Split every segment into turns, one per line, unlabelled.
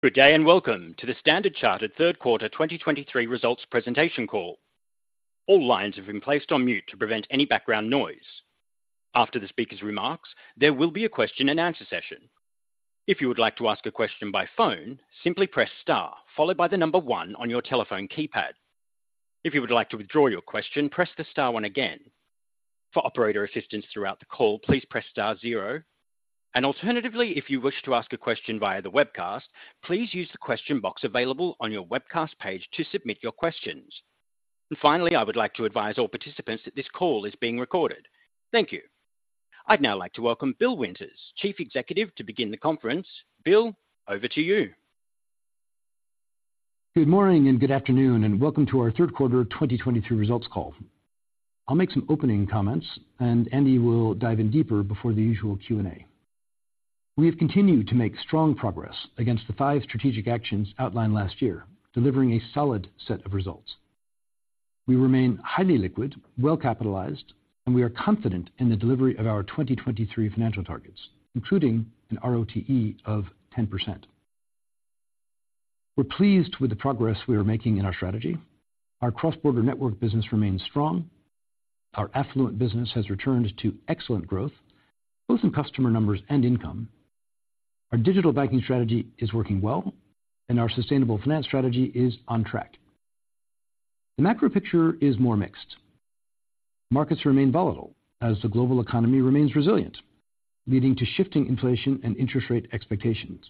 Good day, and welcome to the Standard Chartered third quarter 2023 results presentation call. All lines have been placed on mute to prevent any background noise. After the speaker's remarks, there will be a question and answer session. If you would like to ask a question by phone, simply press star, followed by the number one on your telephone keypad. If you would like to withdraw your question, press the star one again. For operator assistance throughout the call, please press star zero, and alternatively, if you wish to ask a question via the webcast, please use the question box available on your webcast page to submit your questions. And finally, I would like to advise all participants that this call is being recorded. Thank you. I'd now like to welcome Bill Winters, Chief Executive, to begin the conference. Bill, over to you.
Good morning, and good afternoon, and welcome to our third quarter of 2023 results call. I'll make some opening comments, and Andy will dive in deeper before the usual Q&A. We have continued to make strong progress against the five strategic actions outlined last year, delivering a solid set of results. We remain highly liquid, well-capitalized, and we are confident in the delivery of our 2023 financial targets, including an ROTE of 10%. We're pleased with the progress we are making in our strategy. Our cross-border network business remains strong. Our affluent business has returned to excellent growth, both in customer numbers and income. Our digital banking strategy is working well, and our sustainable finance strategy is on track. The macro picture is more mixed. Markets remain volatile as the global economy remains resilient, leading to shifting inflation and interest rate expectations.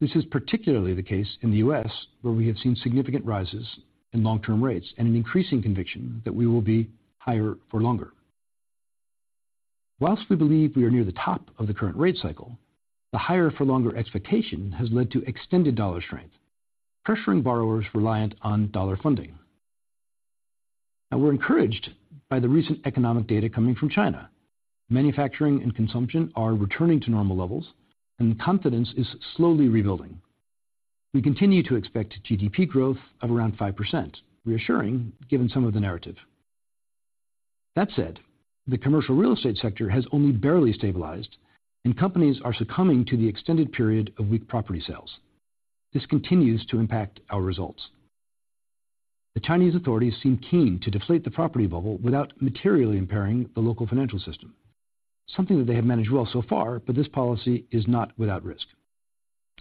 This is particularly the case in the U.S., where we have seen significant rises in long-term rates and an increasing conviction that we will be higher for longer. While we believe we are near the top of the current rate cycle, the higher for longer expectation has led to extended dollar strength, pressuring borrowers reliant on dollar funding. Now, we're encouraged by the recent economic data coming from China. Manufacturing and consumption are returning to normal levels, and confidence is slowly rebuilding. We continue to expect GDP growth of around 5%, reassuring, given some of the narrative. That said, the commercial real estate sector has only barely stabilized, and companies are succumbing to the extended period of weak property sales. This continues to impact our results. The Chinese authorities seem keen to deflate the property bubble without materially impairing the local financial system, something that they have managed well so far, but this policy is not without risk.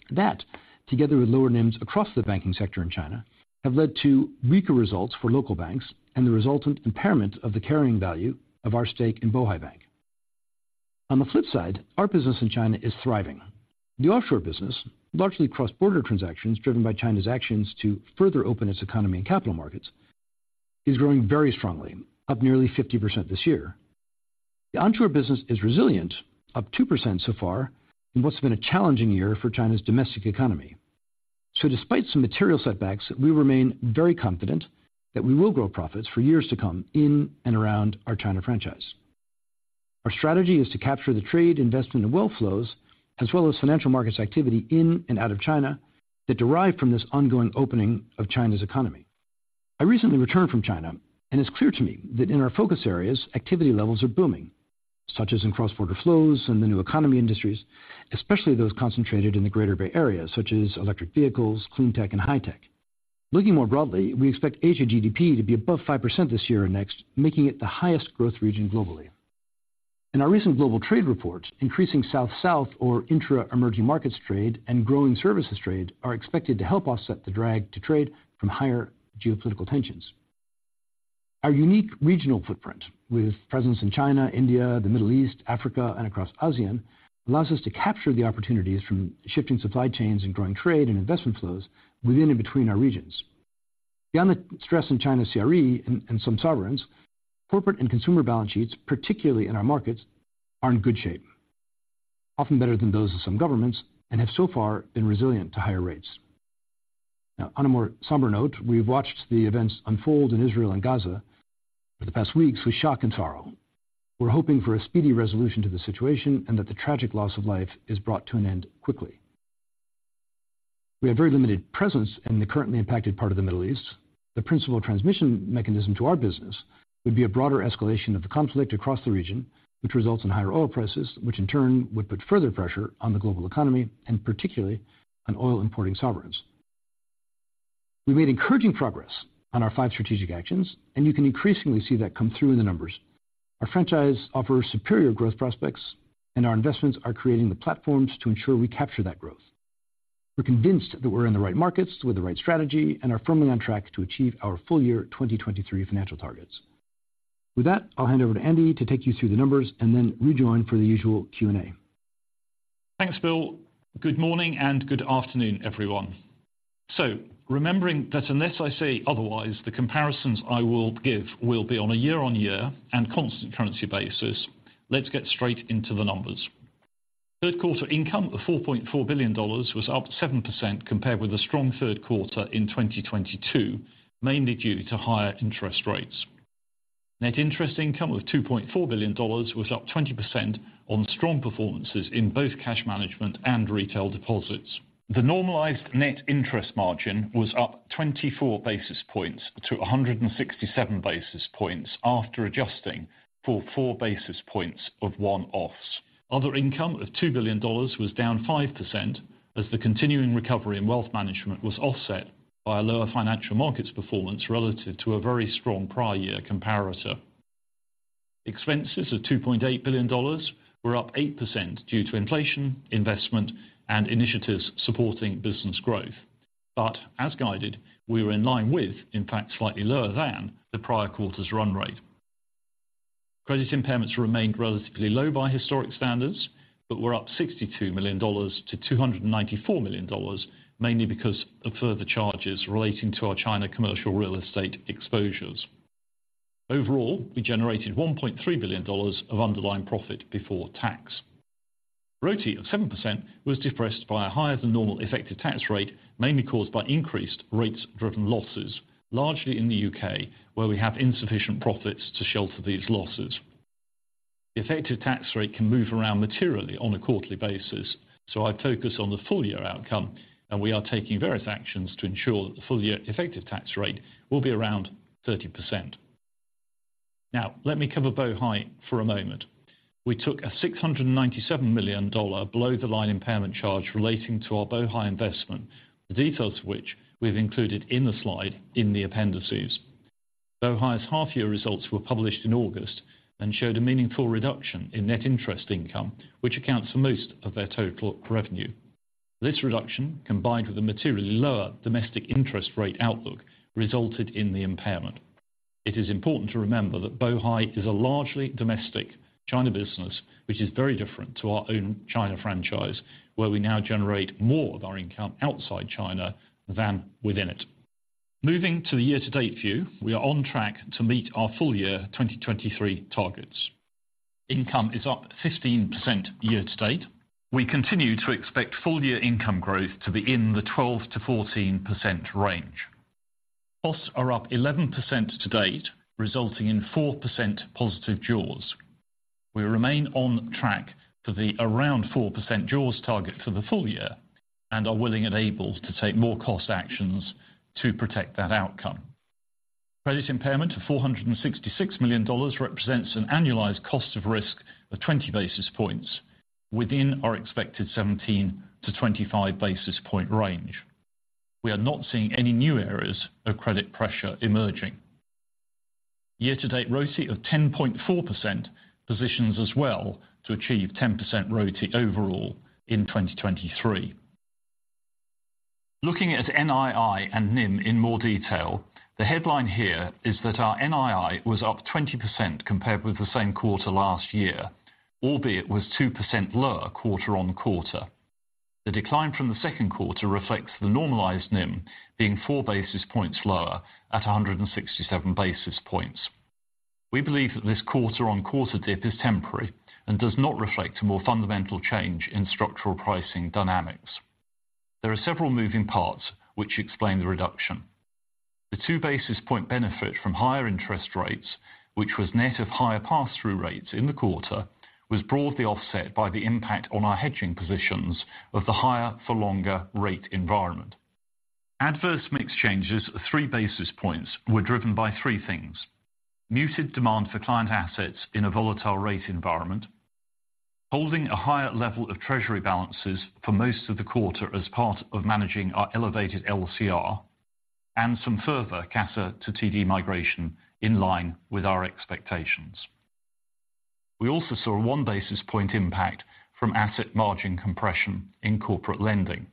That, together with lower NIMs across the banking sector in China, have led to weaker results for local banks and the resultant impairment of the carrying value of our stake in Bohai Bank. On the flip side, our business in China is thriving. The offshore business, largely cross-border transactions, driven by China's actions to further open its economy and capital markets, is growing very strongly, up nearly 50% this year. The onshore business is resilient, up 2% so far in what's been a challenging year for China's domestic economy. So despite some material setbacks, we remain very confident that we will grow profits for years to come in and around our China franchise. Our strategy is to capture the trade, investment, and wealth flows, as well as financial markets activity in and out of China that derive from this ongoing opening of China's economy. I recently returned from China, and it's clear to me that in our focus areas, activity levels are booming, such as in cross-border flows and the new economy industries, especially those concentrated in the Greater Bay Area, such as electric vehicles, clean tech, and high tech. Looking more broadly, we expect Asia GDP to be above 5% this year and next, making it the highest growth region globally. In our recent global trade reports, increasing south-south or intra-emerging markets trade and growing services trade are expected to help offset the drag to trade from higher geopolitical tensions. Our unique regional footprint, with presence in China, India, the Middle East, Africa, and across ASEAN, allows us to capture the opportunities from shifting supply chains and growing trade and investment flows within and between our regions. Beyond the stress in China's CRE and some sovereigns, corporate and consumer balance sheets, particularly in our markets, are in good shape, often better than those of some governments, and have so far been resilient to higher rates. Now, on a more somber note, we've watched the events unfold in Israel and Gaza for the past weeks with shock and sorrow. We're hoping for a speedy resolution to the situation and that the tragic loss of life is brought to an end quickly. We have very limited presence in the currently impacted part of the Middle East. The principal transmission mechanism to our business would be a broader escalation of the conflict across the region, which results in higher oil prices, which in turn would put further pressure on the global economy, and particularly on oil-importing sovereigns. We made encouraging progress on our five strategic actions, and you can increasingly see that come through in the numbers. Our franchise offers superior growth prospects, and our investments are creating the platforms to ensure we capture that growth. We're convinced that we're in the right markets with the right strategy and are firmly on track to achieve our full year 2023 financial targets. With that, I'll hand over to Andy to take you through the numbers and then rejoin for the usual Q&A.
Thanks, Bill. Good morning, and good afternoon, everyone. So remembering that unless I say otherwise, the comparisons I will give will be on a year-on-year and constant currency basis. Let's get straight into the numbers. Third quarter income of $4.4 billion was up 7% compared with a strong third quarter in 2022, mainly due to higher interest rates. Net interest income of $2.4 billion was up 20% on strong performances in both cash management and retail deposits. The normalized net interest margin was up 24 basis points to 167 basis points after adjusting for 4 basis points of one-offs. Other income of $2 billion was down 5%, as the continuing recovery in wealth management was offset by a lower financial markets performance relative to a very strong prior year comparator. Expenses of $2.8 billion were up 8% due to inflation, investment, and initiatives supporting business growth. But as guided, we were in line with, in fact, slightly lower than the prior quarter's run rate. Credit impairments remained relatively low by historic standards, but were up $62 million to $294 million, mainly because of further charges relating to our China commercial real estate exposures. Overall, we generated $1.3 billion of underlying profit before tax. ROTE of 7% was depressed by a higher than normal effective tax rate, mainly caused by increased rates-driven losses, largely in the U.K., where we have insufficient profits to shelter these losses. The effective tax rate can move around materially on a quarterly basis, so I focus on the full year outcome, and we are taking various actions to ensure that the full year effective tax rate will be around 30%. Now, let me cover Bohai for a moment. We took a $697 million below-the-line impairment charge relating to our Bohai investment, the details of which we've included in the slide in the appendices. Bohai's half year results were published in August and showed a meaningful reduction in net interest income, which accounts for most of their total revenue. This reduction, combined with a materially lower domestic interest rate outlook, resulted in the impairment. It is important to remember that Bohai is a largely domestic China business, which is very different to our own China franchise, where we now generate more of our income outside China than within it. Moving to the year-to-date view, we are on track to meet our full-year 2023 targets. Income is up 15% year to date. We continue to expect full-year income growth to be in the 12%-14% range. Costs are up 11% to date, resulting in 4% positive jaws. We remain on track for the around 4% jaws target for the full year and are willing and able to take more cost actions to protect that outcome. Credit impairment of $466 million represents an annualized cost of risk of 20 basis points within our expected 17-25 basis point range. We are not seeing any new areas of credit pressure emerging. Year-to-date ROTE of 10.4% positions us well to achieve 10% ROTE overall in 2023. Looking at NII and NIM in more detail, the headline here is that our NII was up 20% compared with the same quarter last year, albeit was 2% lower quarter-on-quarter. The decline from the second quarter reflects the normalized NIM being four basis points lower at 167 basis points. We believe that this quarter-on-quarter dip is temporary and does not reflect a more fundamental change in structural pricing dynamics. There are several moving parts which explain the reduction. The 2 basis point benefit from higher interest rates, which was net of higher pass-through rates in the quarter, was broadly offset by the impact on our hedging positions of the higher for longer rate environment. Adverse mix changes of 3 basis points were driven by three things: muted demand for client assets in a volatile rate environment, holding a higher level of treasury balances for most of the quarter as part of managing our elevated LCR, and some further CASA to TD migration in line with our expectations. We also saw a 1 basis point impact from asset margin compression in corporate lending.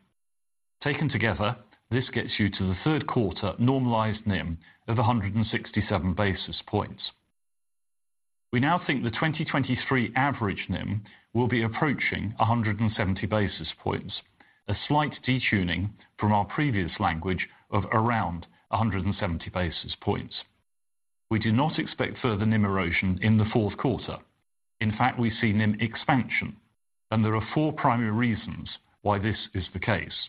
Taken together, this gets you to the third quarter normalized NIM of 167 basis points. We now think the 2023 average NIM will be approaching 170 basis points, a slight detuning from our previous language of around 170 basis points. We do not expect further NIM erosion in the fourth quarter. In fact, we see NIM expansion, and there are 4 primary reasons why this is the case.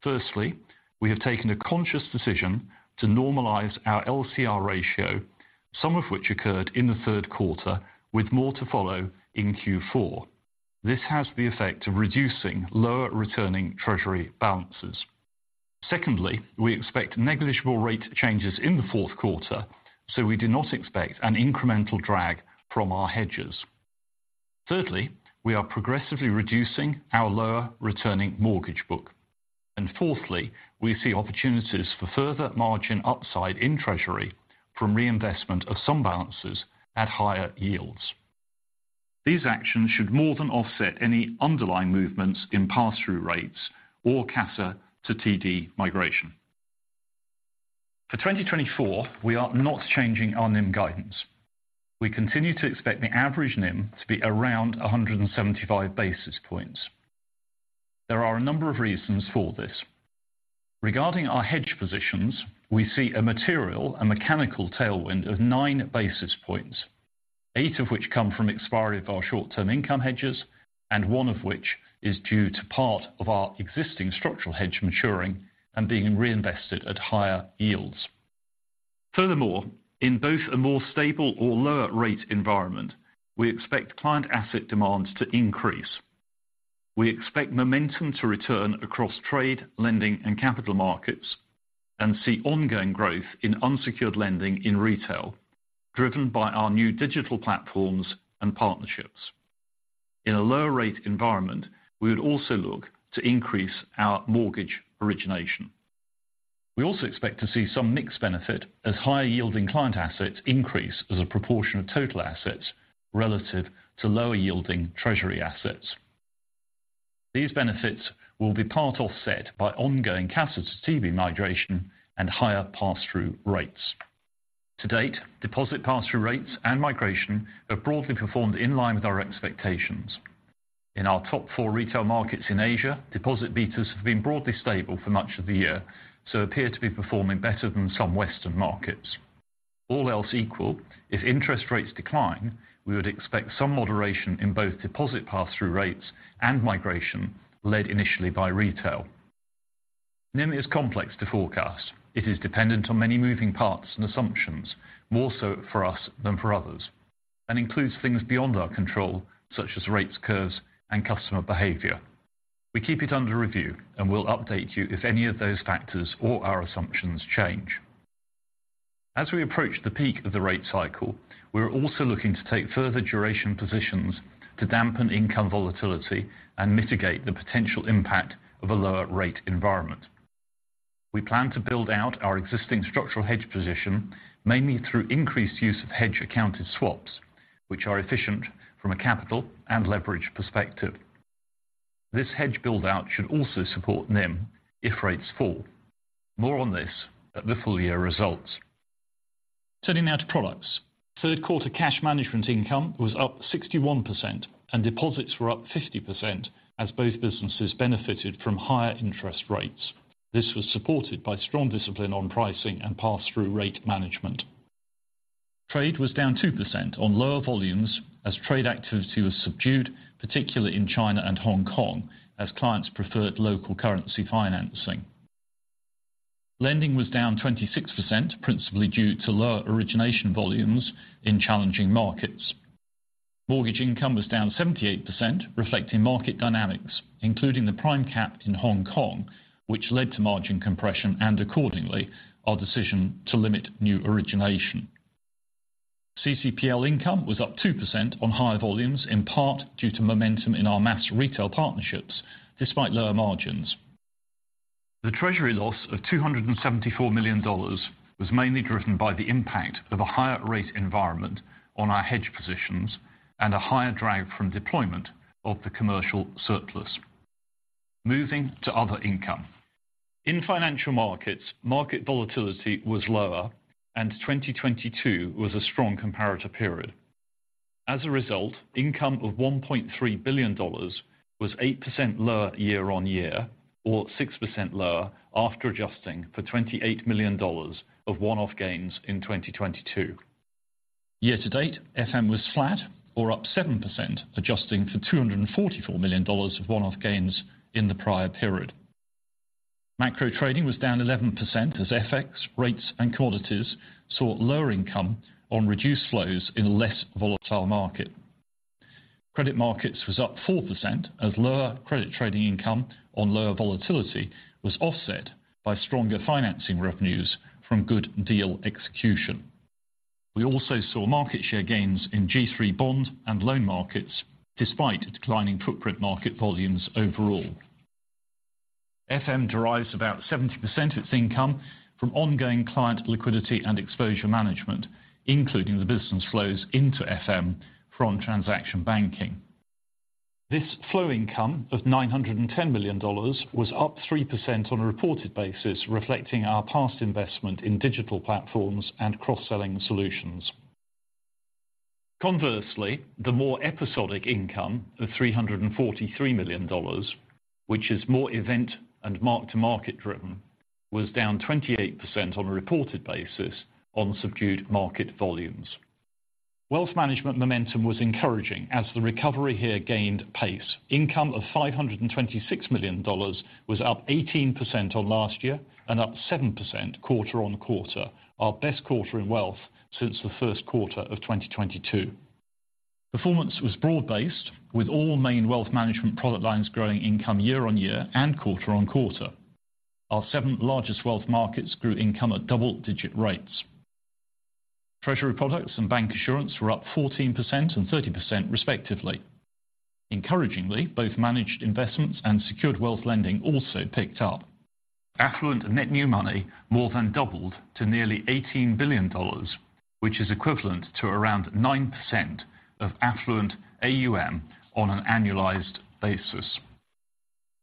Firstly, we have taken a conscious decision to normalize our LCR ratio, some of which occurred in the third quarter, with more to follow in Q4. This has the effect of reducing lower returning treasury balances. Secondly, we expect negligible rate changes in the fourth quarter, so we do not expect an incremental drag from our hedges. Thirdly, we are progressively reducing our lower returning mortgage book. And fourthly, we see opportunities for further margin upside in treasury from reinvestment of some balances at higher yields. These actions should more than offset any underlying movements in pass-through rates or CASA to TD migration. For 2024, we are not changing our NIM guidance. We continue to expect the average NIM to be around 175 basis points. There are a number of reasons for this. Regarding our hedge positions, we see a material, a mechanical tailwind of 9 basis points, 8 of which come from expiry of our short-term income hedges, and 1 of which is due to part of our existing structural hedge maturing and being reinvested at higher yields. Furthermore, in both a more stable or lower rate environment, we expect client asset demands to increase. We expect momentum to return across trade, lending, and capital markets, and see ongoing growth in unsecured lending in retail, driven by our new digital platforms and partnerships.... In a lower rate environment, we would also look to increase our mortgage origination. We also expect to see some mixed benefit as higher yielding client assets increase as a proportion of total assets, relative to lower yielding treasury assets. These benefits will be part offset by ongoing CASA to TD migration and higher pass-through rates. To date, deposit pass-through rates and migration have broadly performed in line with our expectations. In our top four retail markets in Asia, deposit betas have been broadly stable for much of the year, so appear to be performing better than some Western markets. All else equal, if interest rates decline, we would expect some moderation in both deposit pass-through rates and migration, led initially by retail. NIM is complex to forecast. It is dependent on many moving parts and assumptions, more so for us than for others, and includes things beyond our control, such as rates, curves, and customer behavior. We keep it under review, and we'll update you if any of those factors or our assumptions change. As we approach the peak of the rate cycle, we're also looking to take further duration positions to dampen income volatility and mitigate the potential impact of a lower rate environment. We plan to build out our existing structural hedge position, mainly through increased use of hedge accounted swaps, which are efficient from a capital and leverage perspective. This hedge build out should also support NIM if rates fall. More on this at the full year results. Turning now to products. Third quarter cash management income was up 61%, and deposits were up 50%, as both businesses benefited from higher interest rates. This was supported by strong discipline on pricing and pass-through rate management. Trade was down 2% on lower volumes as trade activity was subdued, particularly in China and Hong Kong, as clients preferred local currency financing. Lending was down 26%, principally due to lower origination volumes in challenging markets. Mortgage income was down 78%, reflecting market dynamics, including the prime cap in Hong Kong, which led to margin compression and accordingly, our decision to limit new origination. CCPL income was up 2% on higher volumes, in part due to momentum in our mass retail partnerships, despite lower margins. The treasury loss of $274 million was mainly driven by the impact of a higher rate environment on our hedge positions and a higher drag from deployment of the commercial surplus. Moving to other income. In financial markets, market volatility was lower, and 2022 was a strong comparator period. As a result, income of $1.3 billion was 8% lower year-on-year, or 6% lower after adjusting for $28 million of one-off gains in 2022. Year to date, FM was flat or up 7%, adjusting for $244 million of one-off gains in the prior period. Macro trading was down 11% as FX rates and quantities saw lower income on reduced flows in a less volatile market. Credit markets was up 4%, as lower credit trading income on lower volatility was offset by stronger financing revenues from good deal execution. We also saw market share gains in G3 bond and loan markets, despite declining footprint market volumes overall. FM derives about 70% of its income from ongoing client liquidity and exposure management, including the business flows into FM from transaction banking. This flow income of $910 million was up 3% on a reported basis, reflecting our past investment in digital platforms and cross-selling solutions. Conversely, the more episodic income of $343 million, which is more event and mark-to-market driven, was down 28% on a reported basis on subdued market volumes. Wealth management momentum was encouraging as the recovery here gained pace. Income of $526 million was up 18% year-on-year and up 7% quarter-on-quarter, our best quarter in wealth since the first quarter of 2022. Performance was broad-based, with all main wealth management product lines growing income year-on-year and quarter-on-quarter. Our seven largest wealth markets grew income at double-digit rates. Treasury products and bancassurance were up 14% and 30% respectively. Encouragingly, both managed investments and secured wealth lending also picked up. Affluent net new money more than doubled to nearly $18 billion, which is equivalent to around 9% of affluent AUM on an annualized basis.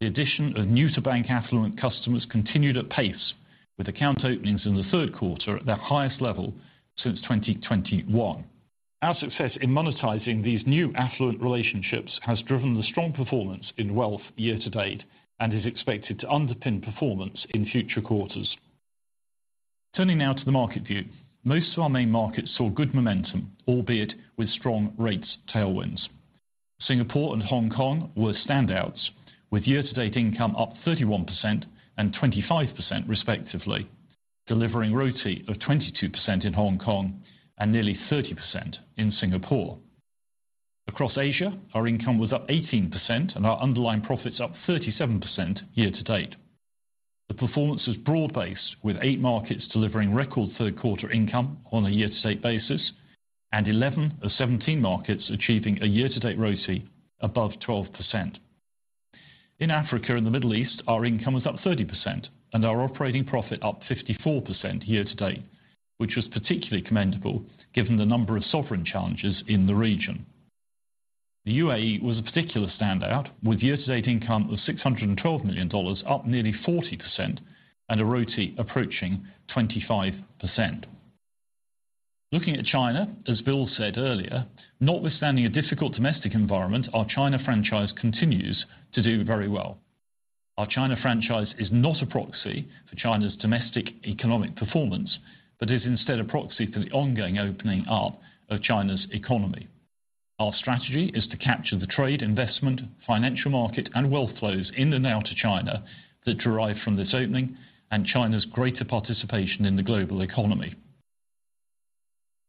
The addition of new to bank affluent customers continued at pace, with account openings in the third quarter at their highest level since 2021. Our success in monetizing these new affluent relationships has driven the strong performance in wealth year-to-date and is expected to underpin performance in future quarters. Turning now to the market view. Most of our main markets saw good momentum, albeit with strong rates tailwinds. Singapore and Hong Kong were standouts, with year-to-date income up 31% and 25%, respectively, delivering ROTE of 22% in Hong Kong and nearly 30% in Singapore. Across Asia, our income was up 18% and our underlying profits up 37% year-to-date. The performance is broad-based, with 8 markets delivering record third quarter income on a year-to-date basis, and 11 of 17 markets achieving a year-to-date ROTCE above 12%. In Africa and the Middle East, our income was up 30%, and our operating profit up 54% year to date, which was particularly commendable given the number of sovereign challenges in the region. The UAE was a particular standout, with year-to-date income of $612 million, up nearly 40%, and a ROTCE approaching 25%. Looking at China, as Bill said earlier, notwithstanding a difficult domestic environment, our China franchise continues to do very well. Our China franchise is not a proxy for China's domestic economic performance, but is instead a proxy for the ongoing opening up of China's economy. Our strategy is to capture the trade, investment, financial market, and wealth flows in and out of China that derive from this opening and China's greater participation in the global economy.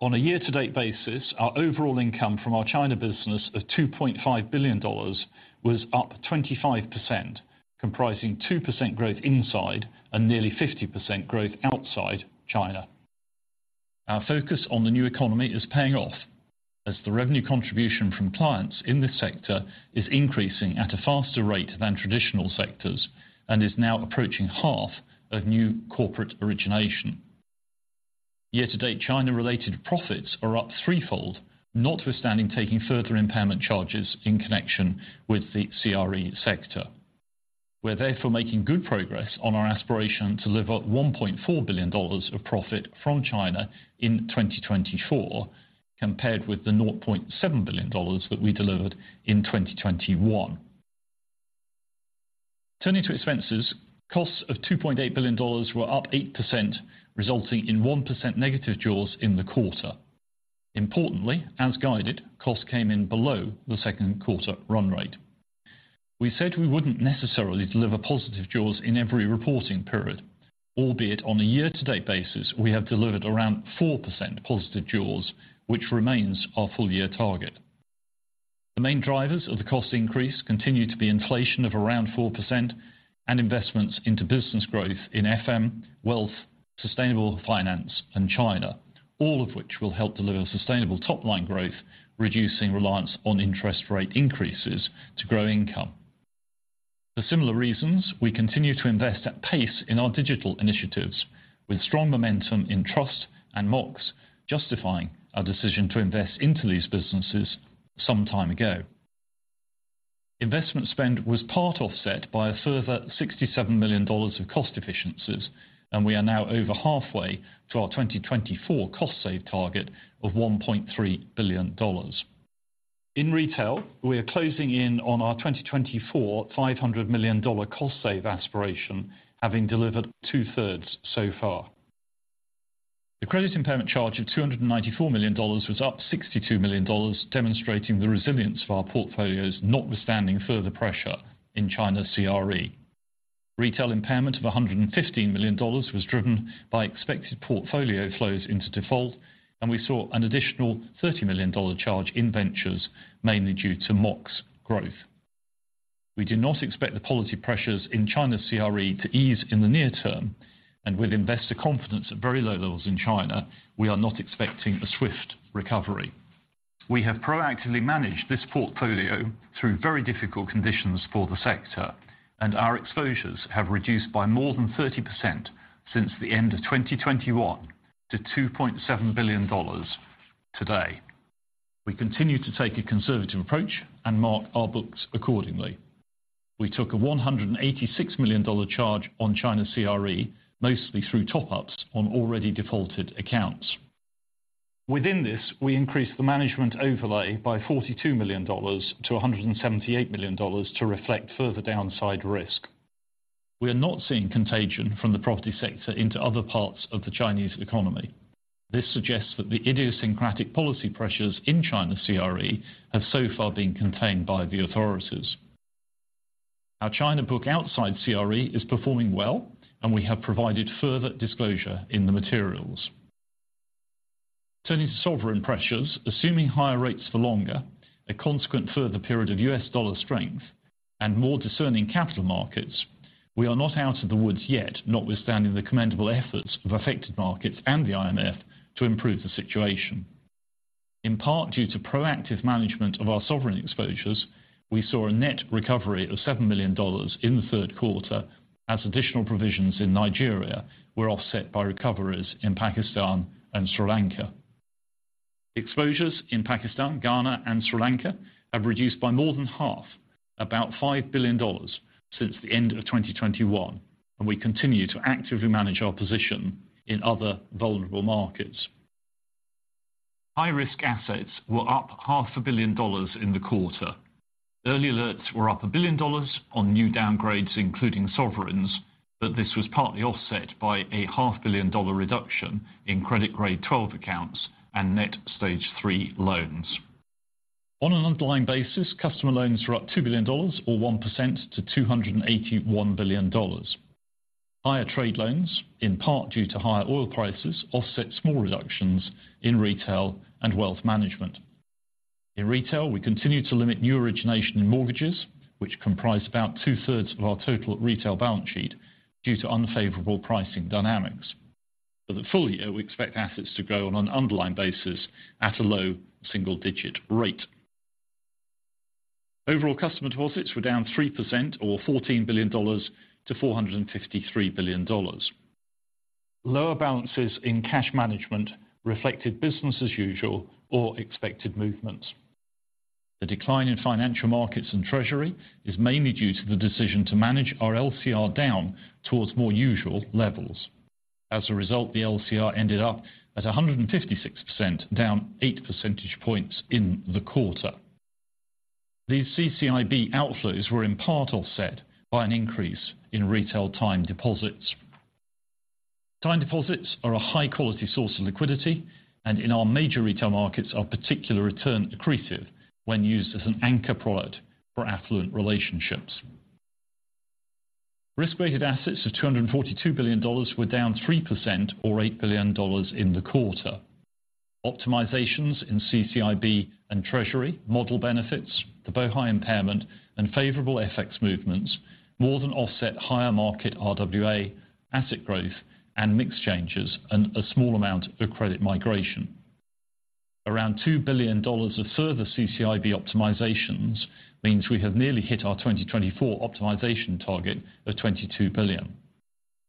On a year-to-date basis, our overall income from our China business of $2.5 billion was up 25%, comprising 2% growth inside and nearly 50% growth outside China. Our focus on the new economy is paying off, as the revenue contribution from clients in this sector is increasing at a faster rate than traditional sectors and is now approaching half of new corporate origination. Year to date, China-related profits are up threefold, notwithstanding taking further impairment charges in connection with the CRE sector. We're therefore making good progress on our aspiration to deliver $1.4 billion of profit from China in 2024, compared with the $0.7 billion that we delivered in 2021. Turning to expenses, costs of $2.8 billion were up 8%, resulting in 1% negative jaws in the quarter. Importantly, as guided, costs came in below the second quarter run rate. We said we wouldn't necessarily deliver positive jaws in every reporting period, albeit on a year-to-date basis, we have delivered around 4% positive jaws, which remains our full year target. The main drivers of the cost increase continue to be inflation of around 4% and investments into business growth in FM, wealth, sustainable finance, and China, all of which will help deliver sustainable top-line growth, reducing reliance on interest rate increases to grow income. For similar reasons, we continue to invest at pace in our digital initiatives, with strong momentum in Trust and Mox, justifying our decision to invest into these businesses some time ago. Investment spend was part offset by a further $67 million of cost efficiencies, and we are now over halfway to our 2024 cost save target of $1.3 billion. In retail, we are closing in on our 2024, $500 million cost save aspiration, having delivered 2/3 so far. The credit impairment charge of $294 million was up $62 million, demonstrating the resilience of our portfolios, notwithstanding further pressure in China CRE. Retail impairment of $115 million was driven by expected portfolio flows into default, and we saw an additional $30 million charge in Ventures, mainly due to Mox growth. We do not expect the policy pressures in China CRE to ease in the near term, and with investor confidence at very low levels in China, we are not expecting a swift recovery. We have proactively managed this portfolio through very difficult conditions for the sector, and our exposures have reduced by more than 30% since the end of 2021 to $2.7 billion today. We continue to take a conservative approach and mark our books accordingly. We took a $186 million dollar charge on China CRE, mostly through top ups on already defaulted accounts. Within this, we increased the management overlay by $42 million dollars to $178 million dollars to reflect further downside risk. We are not seeing contagion from the property sector into other parts of the Chinese economy. This suggests that the idiosyncratic policy pressures in China CRE have so far been contained by the authorities. Our China book outside CRE is performing well, and we have provided further disclosure in the materials. Turning to sovereign pressures, assuming higher rates for longer, a consequent further period of US dollar strength and more discerning capital markets, we are not out of the woods yet, notwithstanding the commendable efforts of affected markets and the IMF to improve the situation. In part, due to proactive management of our sovereign exposures, we saw a net recovery of $7 million in the third quarter, as additional provisions in Nigeria were offset by recoveries in Pakistan and Sri Lanka. Exposures in Pakistan, Ghana, and Sri Lanka have reduced by more than half, about $5 billion since the end of 2021, and we continue to actively manage our position in other vulnerable markets. High-risk assets were up $500 million in the quarter. Early alerts were up $1 billion on new downgrades, including sovereigns, but this was partly offset by a $500 million reduction in Credit Grade 12 accounts and Net Stage 3 loans. On an underlying basis, customer loans were up $2 billion, or 1% to $281 billion. Higher trade loans, in part due to higher oil prices, offset small reductions in retail and wealth management. In retail, we continue to limit new origination in mortgages, which comprise about two-thirds of our total retail balance sheet, due to unfavorable pricing dynamics. For the full year, we expect assets to grow on an underlying basis at a low single-digit rate. Overall, customer deposits were down 3% or $14 billion to $453 billion. Lower balances in cash management reflected business as usual or expected movements. The decline in financial markets and treasury is mainly due to the decision to manage our LCR down towards more usual levels. As a result, the LCR ended up at 156%, down 8 percentage points in the quarter. These CCIB outflows were in part offset by an increase in retail time deposits. Time deposits are a high-quality source of liquidity, and in our major retail markets, are particular return accretive when used as an anchor product for affluent relationships. Risk-weighted assets of $242 billion were down 3% or $8 billion in the quarter. Optimizations in CCIB and treasury model benefits, the Bohai impairment, and favorable FX movements more than offset higher market RWA, asset growth, and mix changes, and a small amount of credit migration. Around $2 billion of further CCIB optimizations means we have nearly hit our 2024 optimization target of $22 billion.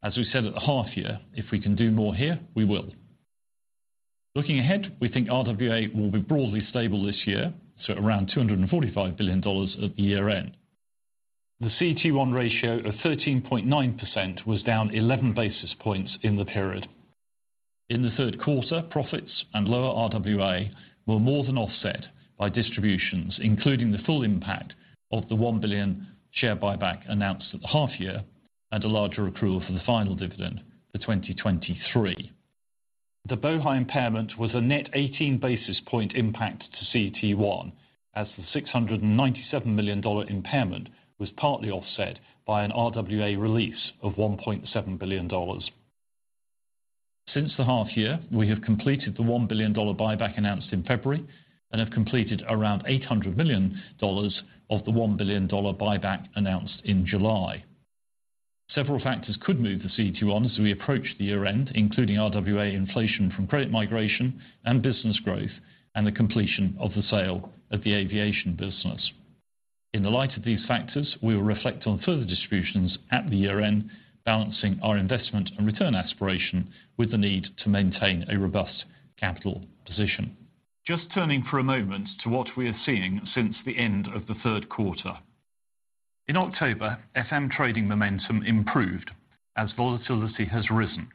As we said at the half year, if we can do more here, we will. Looking ahead, we think RWA will be broadly stable this year, so around $245 billion at the year-end. The CET1 ratio of 13.9% was down 11 basis points in the period. In the third quarter, profits and lower RWA were more than offset by distributions, including the full impact of the $1 billion share buyback announced at the half year, and a larger accrual for the final dividend for 2023. The Bohai impairment was a net 18 basis point impact to CET1, as the $697 million impairment was partly offset by an RWA release of $1.7 billion. Since the half year, we have completed the $1 billion buyback announced in February, and have completed around $800 million of the $1 billion buyback announced in July. Several factors could move the CET1 as we approach the year-end, including RWA inflation from credit migration and business growth, and the completion of the sale of the aviation business. In the light of these factors, we will reflect on further distributions at the year-end, balancing our investment and return aspiration with the need to maintain a robust capital position. Just turning for a moment to what we are seeing since the end of the third quarter. In October, FM trading momentum improved as volatility has risen,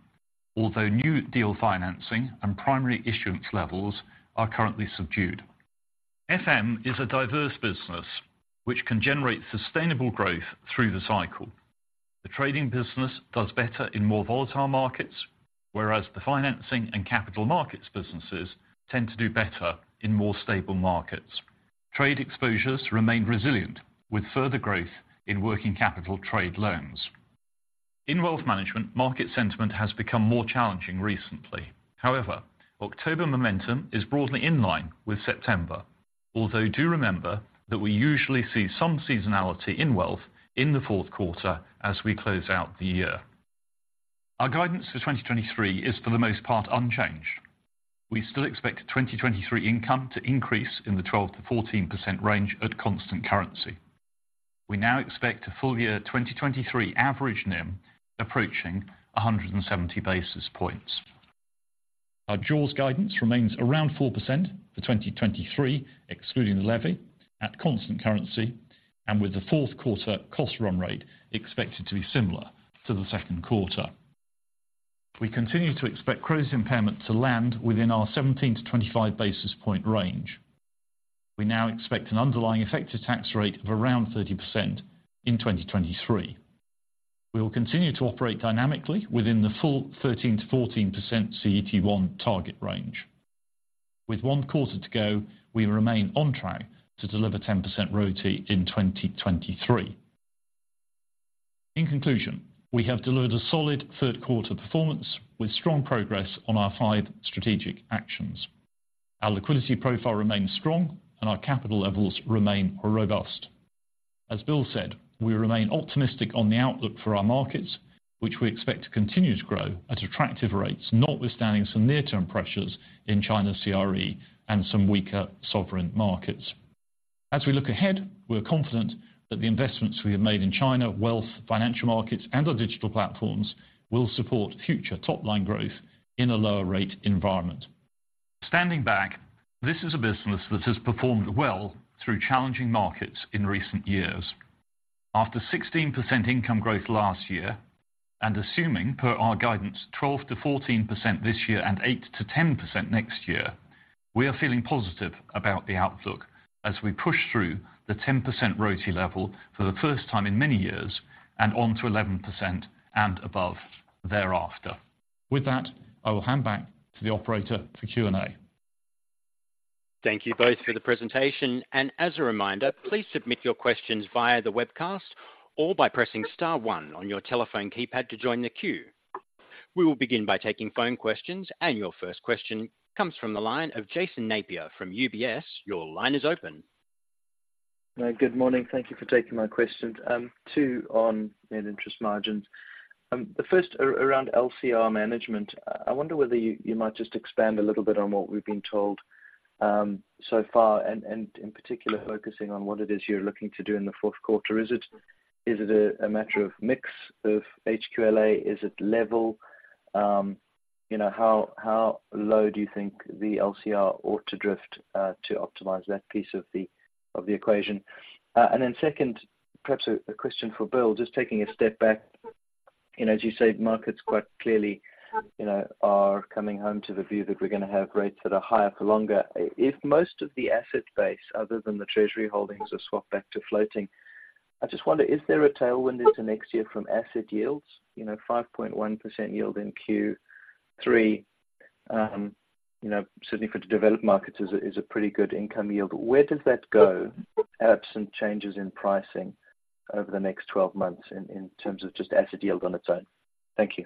although new deal financing and primary issuance levels are currently subdued. FM is a diverse business which can generate sustainable growth through the cycle. The trading business does better in more volatile markets, whereas the financing and capital markets businesses tend to do better in more stable markets. Trade exposures remain resilient, with further growth in working capital trade loans. In wealth management, market sentiment has become more challenging recently. However, October momentum is broadly in line with September. Although do remember that we usually see some seasonality in wealth in the fourth quarter as we close out the year. Our guidance for 2023 is, for the most part, unchanged. We still expect 2023 income to increase in the 12%-14% range at constant currency. We now expect a full year 2023 average NIM approaching 170 basis points. Our jaws guidance remains around 4% for 2023, excluding the levy at constant currency, and with the fourth quarter cost run rate expected to be similar to the second quarter. We continue to expect credit impairment to land within our 17-25 basis point range. We now expect an underlying effective tax rate of around 30% in 2023. We will continue to operate dynamically within the full 13%-14% CET1 target range. With one quarter to go, we remain on track to deliver 10% ROTE in 2023. In conclusion, we have delivered a solid third quarter performance with strong progress on our five strategic actions. Our liquidity profile remains strong, and our capital levels remain robust. As Bill said, we remain optimistic on the outlook for our markets, which we expect to continue to grow at attractive rates, notwithstanding some near-term pressures in China CRE and some weaker sovereign markets. As we look ahead, we're confident that the investments we have made in China, wealth, financial markets, and our digital platforms will support future top-line growth in a lower rate environment. Standing back, this is a business that has performed well through challenging markets in recent years. After 16% income growth last year, and assuming per our guidance, 12%-14% this year and 8%-10% next year, we are feeling positive about the outlook as we push through the 10% ROTE level for the first time in many years and on to 11% and above thereafter. With that, I will hand back to the operator for Q&A.
Thank you both for the presentation. As a reminder, please submit your questions via the webcast or by pressing star one on your telephone keypad to join the queue. We will begin by taking phone questions, and your first question comes from the line of Jason Napier from UBS. Your line is open.
Good morning. Thank you for taking my questions. Two on net interest margins. The first around LCR management. I wonder whether you, you might just expand a little bit on what we've been told, so far, and, and in particular, focusing on what it is you're looking to do in the fourth quarter. Is it, is it a, a matter of mix of HQLA? Is it level? You know, how, how low do you think the LCR ought to drift, to optimize that piece of the, of the equation? And then second, perhaps a, a question for Bill. Just taking a step back, you know, as you say, markets quite clearly, you know, are coming home to the view that we're gonna have rates that are higher for longer. If most of the asset base, other than the treasury holdings, are swapped back to floating, I just wonder, is there a tailwind into next year from asset yields? You know, 5.1% yield in Q3, you know, significant to developed markets is a, is a pretty good income yield. Where does that go, absent changes in pricing over the next 12 months in terms of just asset yield on its own? Thank you.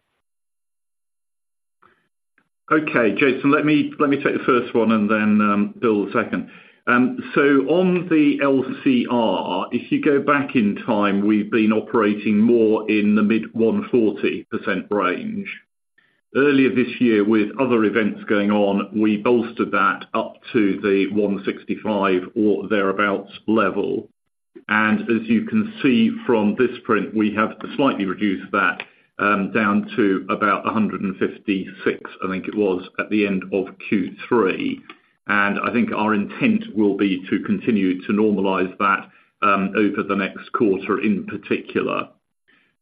Okay, Jason, let me, let me take the first one, and then, Bill, the second. So on the LCR, if you go back in time, we've been operating more in the mid-140% range. Earlier this year, with other events going on, we bolstered that up to the 165% or thereabouts level, and as you can see from this print, we have slightly reduced that down to about 156%, I think it was, at the end of Q3. And I think our intent will be to continue to normalize that over the next quarter in particular.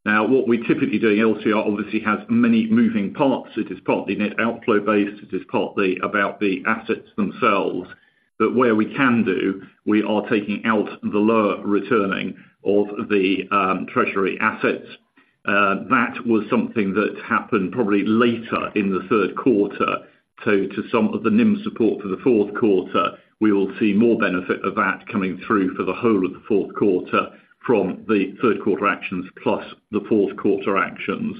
Now, what we're typically doing, LCR obviously has many moving parts. It is partly net outflow based, it is partly about the assets themselves. But where we can do, we are taking out the lower returning of the treasury assets. That was something that happened probably later in the third quarter. So to some of the NIM support for the fourth quarter, we will see more benefit of that coming through for the whole of the fourth quarter from the third quarter actions plus the fourth quarter actions.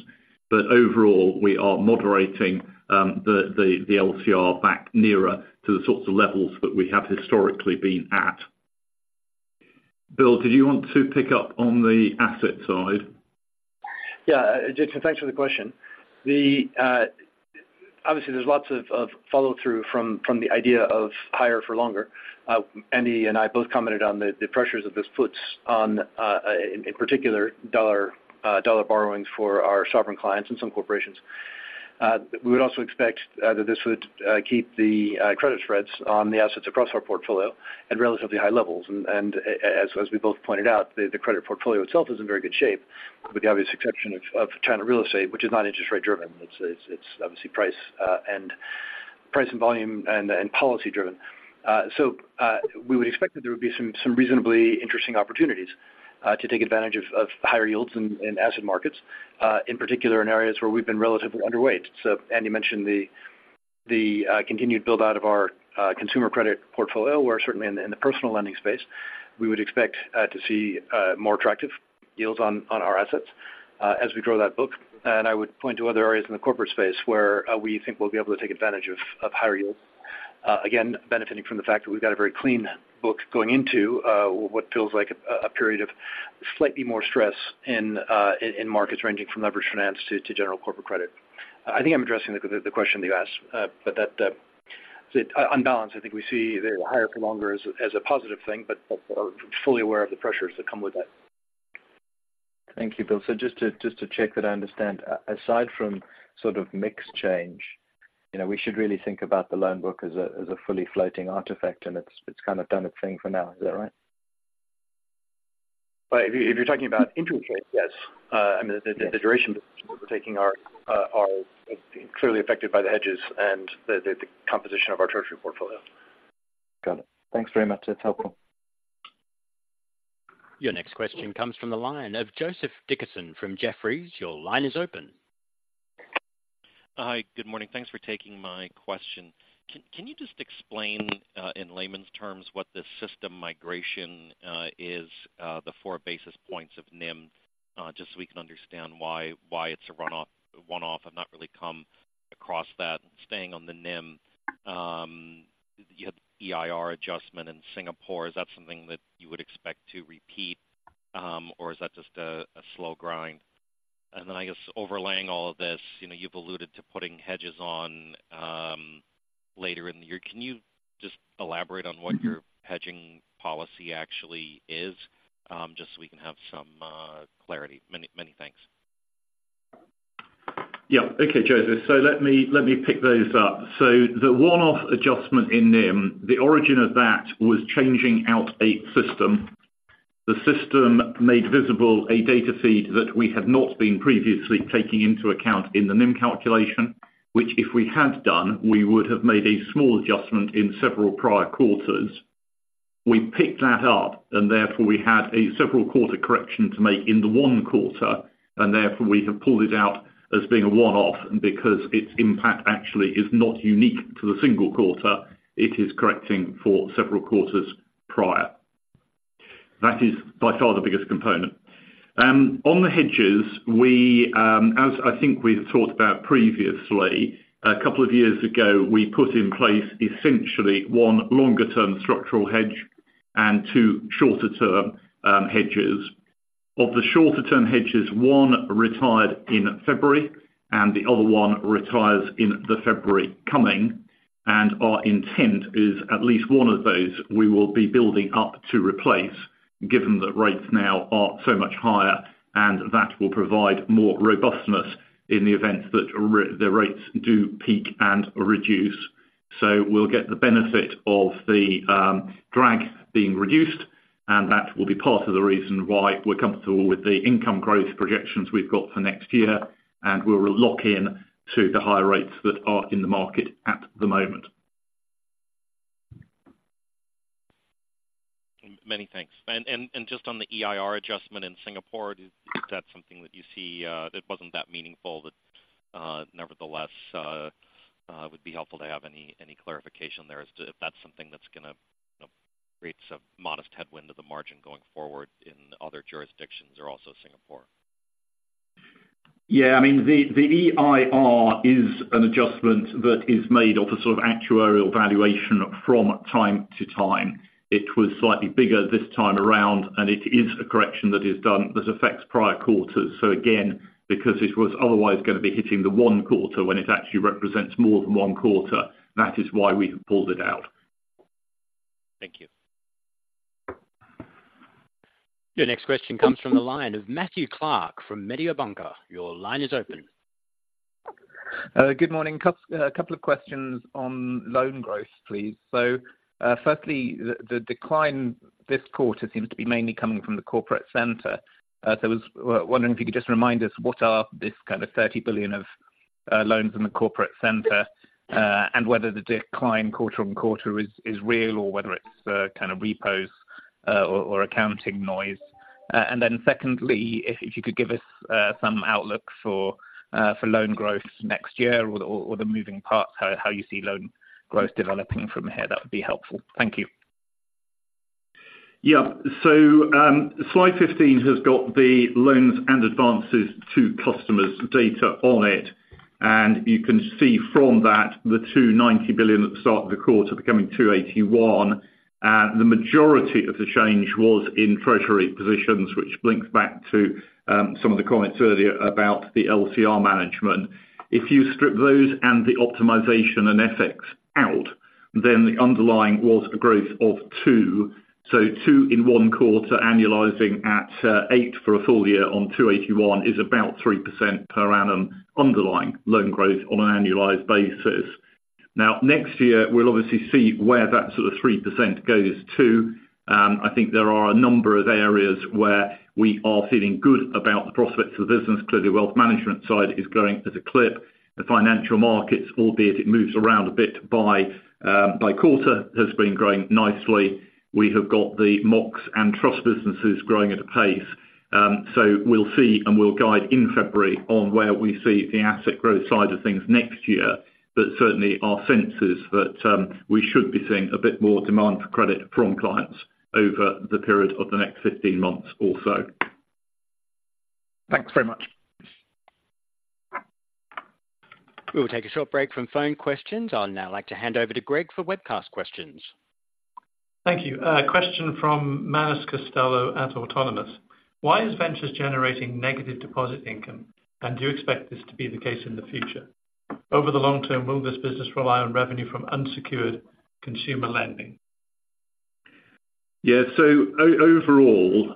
But overall, we are moderating the LCR back nearer to the sorts of levels that we have historically been at. Bill, did you want to pick up on the asset side?
Yeah, Jason, thanks for the question. Obviously, there's lots of follow-through from the idea of higher for longer. Andy and I both commented on the pressures that this puts on, in particular, dollar borrowings for our sovereign clients and some corporations. We would also expect that this would keep the credit spreads on the assets across our portfolio at relatively high levels. And, as we both pointed out, the credit portfolio itself is in very good shape, with the obvious exception of China real estate, which is not interest rate driven. It's obviously price and price and volume and policy driven. So, we would expect that there would be some reasonably interesting opportunities to take advantage of higher yields in asset markets, in particular in areas where we've been relatively underweight. So Andy mentioned the continued build-out of our consumer credit portfolio, where certainly in the personal lending space, we would expect to see more attractive yields on our assets as we grow that book. I would point to other areas in the corporate space where we think we'll be able to take advantage of higher yields. Again, benefiting from the fact that we've got a very clean book going into what feels like a period of slightly more stress in markets ranging from leveraged finance to general corporate credit. I think I'm addressing the question that you asked, but that, on balance, I think we see the higher for longer as a positive thing, but are fully aware of the pressures that come with it.
Thank you, Bill. So just to, just to check that I understand, aside from sort of mix change, you know, we should really think about the loan book as a, as a fully floating artifact, and it's, it's kind of done its thing for now. Is that right?
Well, if you, if you're talking about interest rates, yes. I mean, the duration we're taking are clearly affected by the hedges and the composition of our treasury portfolio.
Got it. Thanks very much. That's helpful.
Your next question comes from the line of Joseph Dickerson from Jefferies. Your line is open.
Hi, good morning. Thanks for taking my question. Can, can you just explain, in layman's terms, what the system migration is, the four basis points of NIM, just so we can understand why, why it's a run off-- one-off and not really come across that? Staying on the NIM, you had EIR adjustment in Singapore, is that something that you would expect to repeat, or is that just a, a slow grind? And then I guess overlaying all of this, you know, you've alluded to putting hedges on, later in the year. Can you just elaborate on what your hedging policy actually is, just so we can have some, clarity? Many, many thanks.
Yeah. Okay, Joseph. So let me, let me pick those up. So the one-off adjustment in NIM, the origin of that was changing out a system. The system made visible a data feed that we had not been previously taking into account in the NIM calculation, which if we had done, we would have made a small adjustment in several prior quarters. We picked that up, and therefore we had a several quarter correction to make in the one quarter, and therefore we have pulled it out as being a one-off. And because its impact actually is not unique to the single quarter, it is correcting for several quarters prior. That is by far the biggest component. On the hedges, we, as I think we've talked about previously, a couple of years ago, we put in place essentially one longer term structural hedge and two shorter term hedges. Of the shorter term hedges, one retired in February, and the other one retires in the February coming, and our intent is at least one of those we will be building up to replace, given that rates now are so much higher, and that will provide more robustness in the event that the rates do peak and reduce. So we'll get the benefit of the drag being reduced, and that will be part of the reason why we're comfortable with the income growth projections we've got for next year, and we'll lock in to the higher rates that are in the market at the moment.
Many thanks. Just on the EIR adjustment in Singapore, is that something that you see that wasn't that meaningful? That nevertheless would be helpful to have any clarification there as to if that's something that's gonna, you know, create some modest headwind to the margin going forward in other jurisdictions or also Singapore.
Yeah, I mean, the EIR is an adjustment that is made off a sort of actuarial valuation from time to time. It was slightly bigger this time around, and it is a correction that is done that affects prior quarters. So again, because it was otherwise gonna be hitting the one quarter, when it actually represents more than one quarter, that is why we pulled it out.
Thank you.
Your next question comes from the line of Matthew Clark from Mediobanca. Your line is open.
Good morning. A couple of questions on loan growth, please. So, firstly, the decline this quarter seems to be mainly coming from the corporate center. So I was wondering if you could just remind us what are this kind of $30 billion of loans in the corporate center, and whether the decline quarter-on-quarter is real, or whether it's kind of repos, or accounting noise? And then secondly, if you could give us some outlook for loan growth next year or the moving parts, how you see loan growth developing from here, that would be helpful. Thank you.
Yeah. So, Slide 15 has got the loans and advances to customers data on it, and you can see from that, the $290 billion at the start of the quarter becoming $281 billion. The majority of the change was in treasury positions, which blinks back to, some of the comments earlier about the LCR management. If you strip those and the optimization and FX out, then the underlying was a growth of $2 billion. So two in one quarter, annualizing at eight for a full year on $281 billion, is about 3% per annum, underlying loan growth on an annualized basis. Now, next year, we'll obviously see where that sort of 3% goes to. I think there are a number of areas where we are feeling good about the prospects of the business. Clearly, wealth management side is growing at a clip. The financial markets, albeit it moves around a bit by, by quarter, has been growing nicely. We have got the Mox and Trust businesses growing at a pace. So we'll see, and we'll guide in February on where we see the asset growth side of things next year. But certainly our sense is that, we should be seeing a bit more demand for credit from clients over the period of the next 15 months or so.
Thanks very much.
We'll take a short break from phone questions. I'll now like to hand over to Gregg for webcast questions.
Thank you. Question from Manus Costello at Autonomous. Why is Ventures generating negative deposit income, and do you expect this to be the case in the future? Over the long term, will this business rely on revenue from unsecured consumer lending?
Yeah, so overall,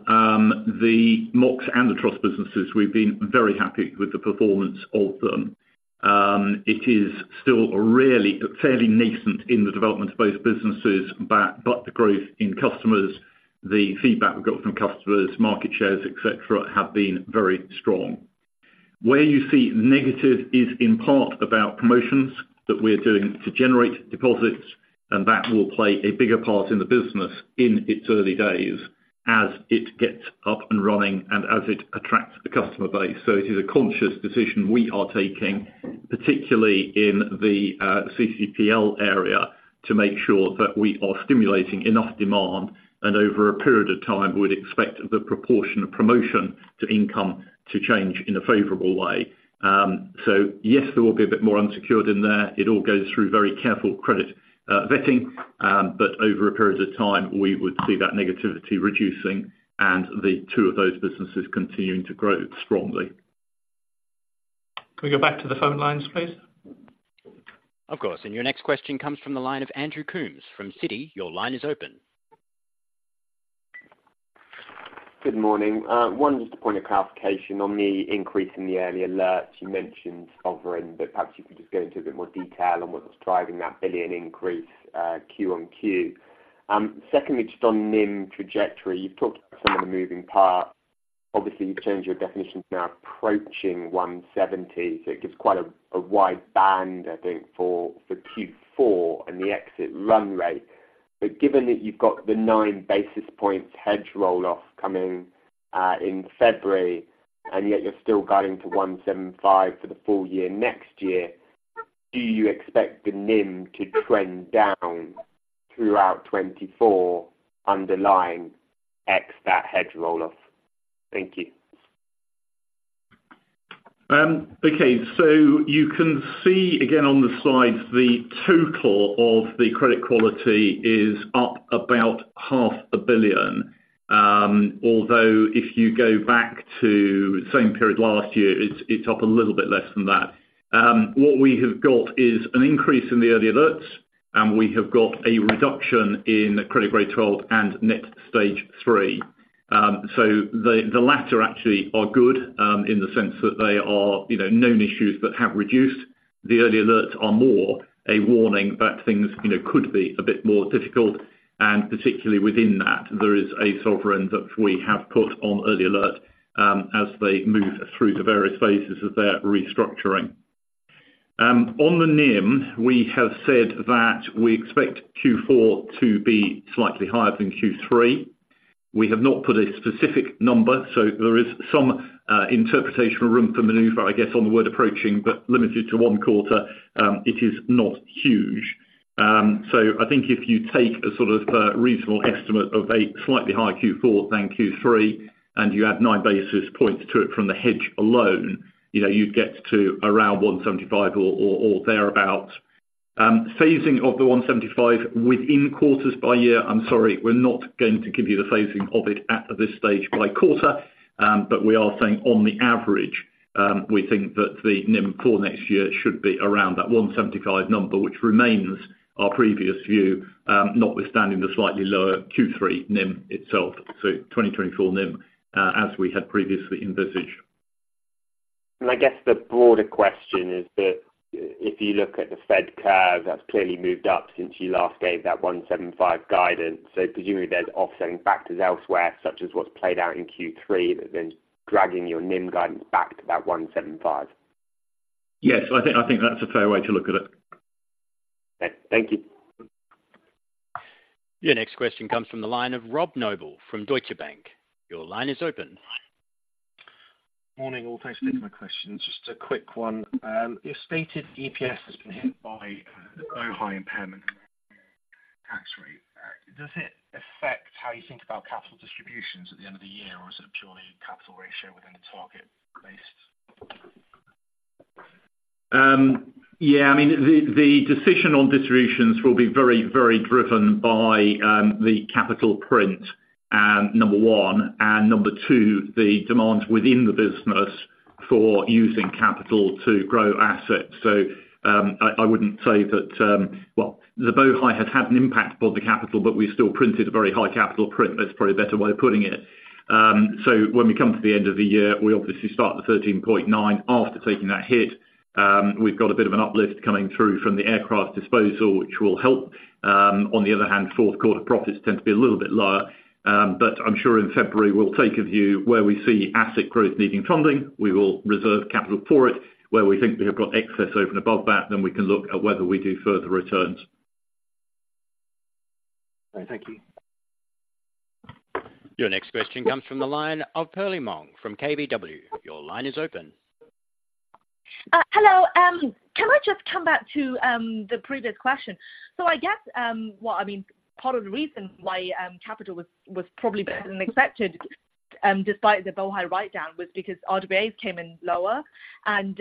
the Mox and the Trust businesses, we've been very happy with the performance of them. It is still really fairly nascent in the development of both businesses, but the growth in customers, the feedback we've got from customers, market shares, et cetera, have been very strong. Where you see negative is in part about promotions that we're doing to generate deposits, and that will play a bigger part in the business in its early days, as it gets up and running and as it attracts the customer base. So it is a conscious decision we are taking, particularly in the CCPL area, to make sure that we are stimulating enough demand, and over a period of time, we'd expect the proportion of promotion to income to change in a favorable way. Yes, there will be a bit more unsecured in there. It all goes through very careful credit vetting, but over a period of time, we would see that negativity reducing and the two of those businesses continuing to grow strongly.
Can we go back to the phone lines, please?
Of course. Your next question comes from the line of Andrew Coombs, from Citi. Your line is open.
Good morning. One, just a point of clarification on the increase in the Early Alerts you mentioned sovereign, but perhaps you could just go into a bit more detail on what's driving that $1 billion increase, Q-on-Q. Secondly, just on NIM trajectory, you've talked about some of the moving parts. Obviously, you've changed your definition to now approaching 170, so it gives quite a wide band, I think, for Q4 and the exit run rate. But given that you've got the 9 basis points hedge roll-off coming in February, and yet you're still guiding to 175 for the full year next year, do you expect the NIM to trend down throughout '2024, underlying X that hedge roll-off? Thank you.
Okay, so you can see again on the slides, the total of the credit quality is up about $500 million. Although if you go back to the same period last year, it's up a little bit less than that. What we have got is an increase in the Early Alerts, and we have got a reduction in credit grade 12 and net Stage 3. So the latter actually are good, in the sense that they are, you know, known issues that have reduced. The Early Alerts are more a warning that things, you know, could be a bit more difficult, and particularly within that, there is a sovereign that we have put on early alert, as they move through the various phases of their restructuring. On the NIM, we have said that we expect Q4 to be slightly higher than Q3. We have not put a specific number, so there is some interpretational room for maneuver, I guess, on the word approaching, but limited to one quarter, it is not huge. So I think if you take a sort of reasonable estimate of a slightly higher Q4 than Q3, and you add nine basis points to it from the hedge alone, you know, you'd get to around 175 or thereabout. Phasing of the 175 within quarters by year, I'm sorry, we're not going to give you the phasing of it at this stage by quarter, but we are saying on the average, we think that the NIM for next year should be around that 175 number, which remains our previous view, notwithstanding the slightly lower Q3 NIM itself, so 2024 NIM, as we had previously envisaged.
I guess the broader question is that if you look at the Fed curve, that's clearly moved up since you last gave that 1.75 guidance. Presumably, there's offsetting factors elsewhere, such as what's played out in Q3, that have been dragging your NIM guidance back to that 1.75.
Yes, I think, I think that's a fair way to look at it.
Okay. Thank you.
Your next question comes from the line of Rob Noble from Deutsche Bank. Your line is open.
Morning, all. Thanks for taking my question. Just a quick one. Your stated EPS has been hit by the Bohai impairment tax rate. Does it affect how you think about capital distributions at the end of the year, or is it purely capital ratio within the target base?
Yeah, I mean, the decision on distributions will be very, very driven by the capital print, number one, and number two, the demand within the business for using capital to grow assets. So, I wouldn't say that... Well, the Bohai has had an impact on the capital, but we still printed a very high capital print. That's probably a better way of putting it. So when we come to the end of the year, we obviously start the 13.9 after taking that hit. We've got a bit of an uplift coming through from the aircraft disposal, which will help. On the other hand, fourth quarter profits tend to be a little bit lower. But I'm sure in February, we'll take a view where we see asset growth needing funding, we will reserve capital for it. Where we think we have got excess over and above that, then we can look at whether we do further returns.
All right, thank you.
Your next question comes from the line of Perlie Mong from KBW. Your line is open.
Hello. Can I just come back to the previous question? So I guess, well, I mean, part of the reason why capital was probably better than expected, despite the Bohai writedown, was because RWAs came in lower. And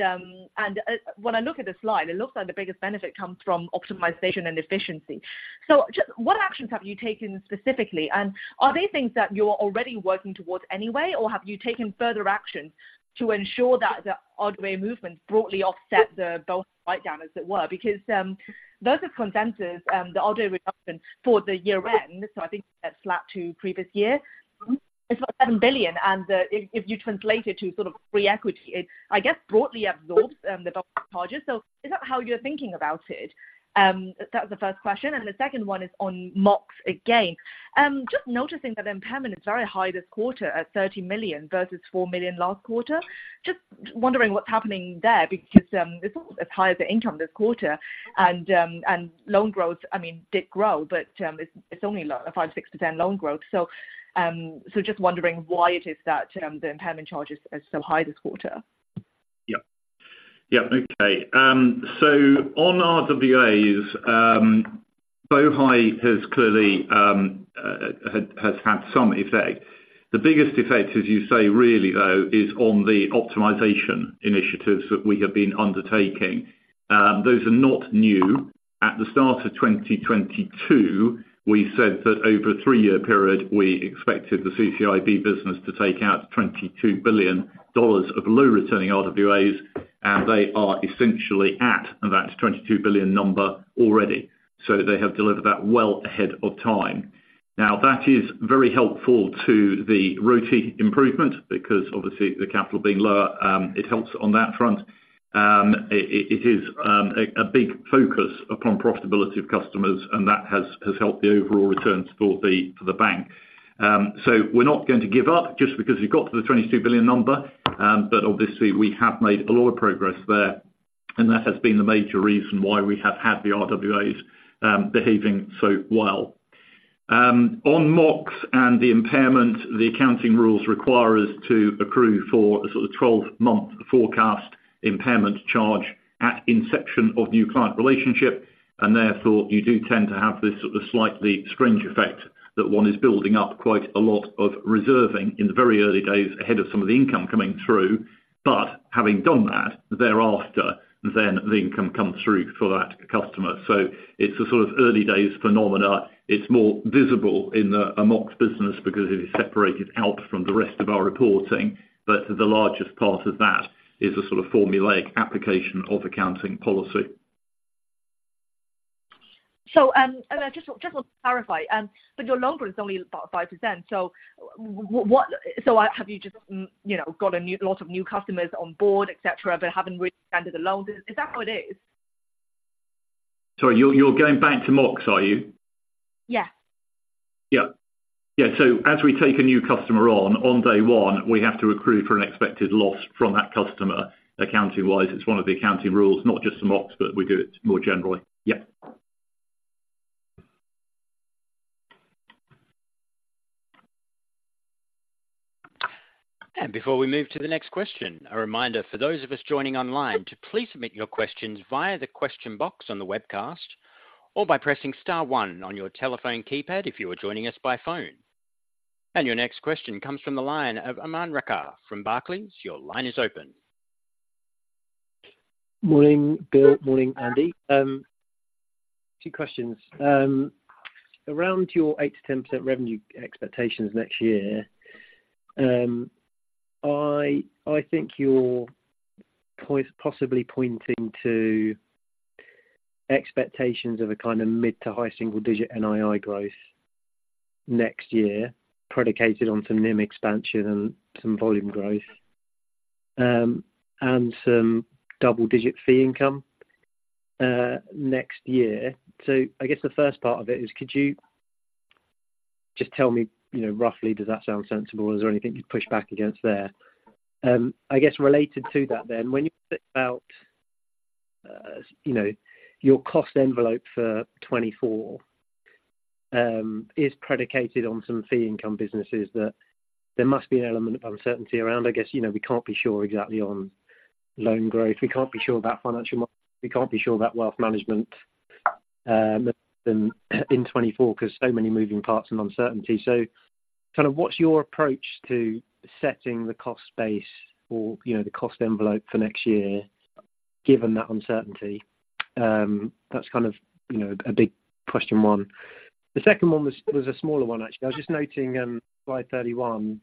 when I look at the slide, it looks like the biggest benefit comes from optimization and efficiency. So just what actions have you taken specifically? And are they things that you're already working towards anyway, or have you taken further actions to ensure that the RWA movement broadly offset the Bohai writedown, as it were? Because those are consensus, the RWA reduction for the year end, so I think that's flat to previous year. It's $7 billion, and if you translate it to sort of free equity, it, I guess, broadly absorbs the charges. So is that how you're thinking about it? That's the first question, and the second one is on Mox again. Just noticing that the impairment is very high this quarter at $30 million versus $4 million last quarter. Just wondering what's happening there, because it's almost as high as the income this quarter. And loan growth, I mean, did grow, but it's only 5%-6% loan growth. So just wondering why it is that the impairment charge is so high this quarter.
Yeah. Yeah, okay. So on RWAs, Bohai has clearly had some effect. The biggest effect, as you say, really though, is on the optimization initiatives that we have been undertaking. Those are not new. At the start of 2022, we said that over a three-year period, we expected the CCIB business to take out $22 billion of low-returning RWAs, and they are essentially at that $22 billion number already. So they have delivered that well ahead of time. Now, that is very helpful to the ROTE improvement, because obviously the capital being lower, it helps on that front. It is a big focus upon profitability of customers, and that has helped the overall returns for the bank. So we're not going to give up just because we got to the $22 billion number, but obviously, we have made a lot of progress there, and that has been the major reason why we have had the RWAs behaving so well. On Mox and the impairment, the accounting rules require us to accrue for the sort of 12-month forecast impairment charge at inception of new client relationship, and therefore, you do tend to have this sort of slightly strange effect that one is building up quite a lot of reserving in the very early days ahead of some of the income coming through. But having done that, thereafter, then the income comes through for that customer. So it's a sort of early days phenomenon. It's more visible in the Mox business because it is separated out from the rest of our reporting, but the largest part of that is a sort of formulaic application of accounting policy.
So, and I just, just to clarify, but your loan growth is only about 5%, so what—so have you just, you know, got a lot of new customers on board, et cetera, et cetera, but haven't really expanded the loans? Is that what it is?
Sorry, you're going back to Mox, are you?
Yes.
Yeah. Yeah, so as we take a new customer on, on day one, we have to accrue for an expected loss from that customer. Accounting-wise, it's one of the accounting rules, not just for Mox, but we do it more generally. Yeah.
Before we move to the next question, a reminder for those of us joining online to please submit your questions via the question box on the webcast, or by pressing star one on your telephone keypad if you are joining us by phone. Your next question comes from the line of Aman Rakkar from Barclays. Your line is open.
Morning, good morning, Andy. Two questions. Around your 8%-10% revenue expectations next year, I think you're possibly pointing to expectations of a kind of mid- to high-single-digit NII growth next year, predicated on some NIM expansion and some volume growth, and some double-digit fee income next year. So I guess the first part of it is could you just tell me, you know, roughly, does that sound sensible, or is there anything you'd push back against there? I guess related to that then, when you set out, you know, your cost envelope for 2024, is predicated on some fee income businesses that there must be an element of uncertainty around. I guess, you know, we can't be sure exactly on loan growth. We can't be sure about financial model. We can't be sure about wealth management, in 2024, 'cause so many moving parts and uncertainty. So kind of what's your approach to setting the cost base or, you know, the cost envelope for next year, given that uncertainty? That's kind of, you know, a big question one. The second one was a smaller one, actually. I was just noting Slide 31,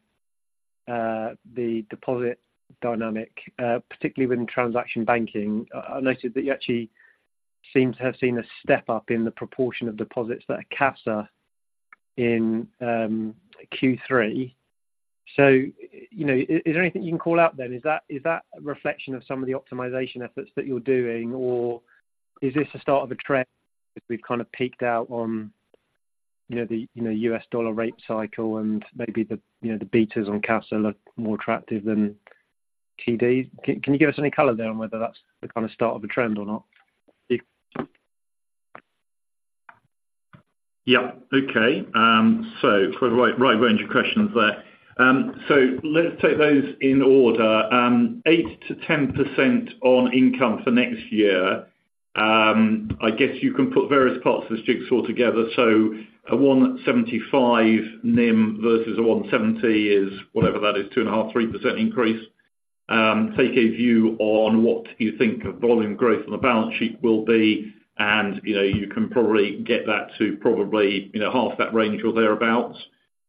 the deposit dynamic, particularly within transaction banking. I noted that you actually seem to have seen a step-up in the proportion of deposits that are CASA in Q3. So, you know, is there anything you can call out then? Is that a reflection of some of the optimization efforts that you're doing, or is this the start of a trend, as we've kind of peaked out on, you know, the, you know, U.S. dollar rate cycle and maybe the, you know, the betas on CASA are more attractive than TD? Can you give us any color there on whether that's the kind of start of a trend or not?
Yeah. Okay. So quite a wide, wide range of questions there. So let's take those in order. 8%-10% on income for next year. I guess you can put various parts of this jigsaw together. So a 1.75 NIM versus a 1.70 is, whatever that is, 2.5%-3% increase. Take a view on what you think of volume growth on the balance sheet will be, and, you know, you can probably get that to probably, you know, half that range or thereabout.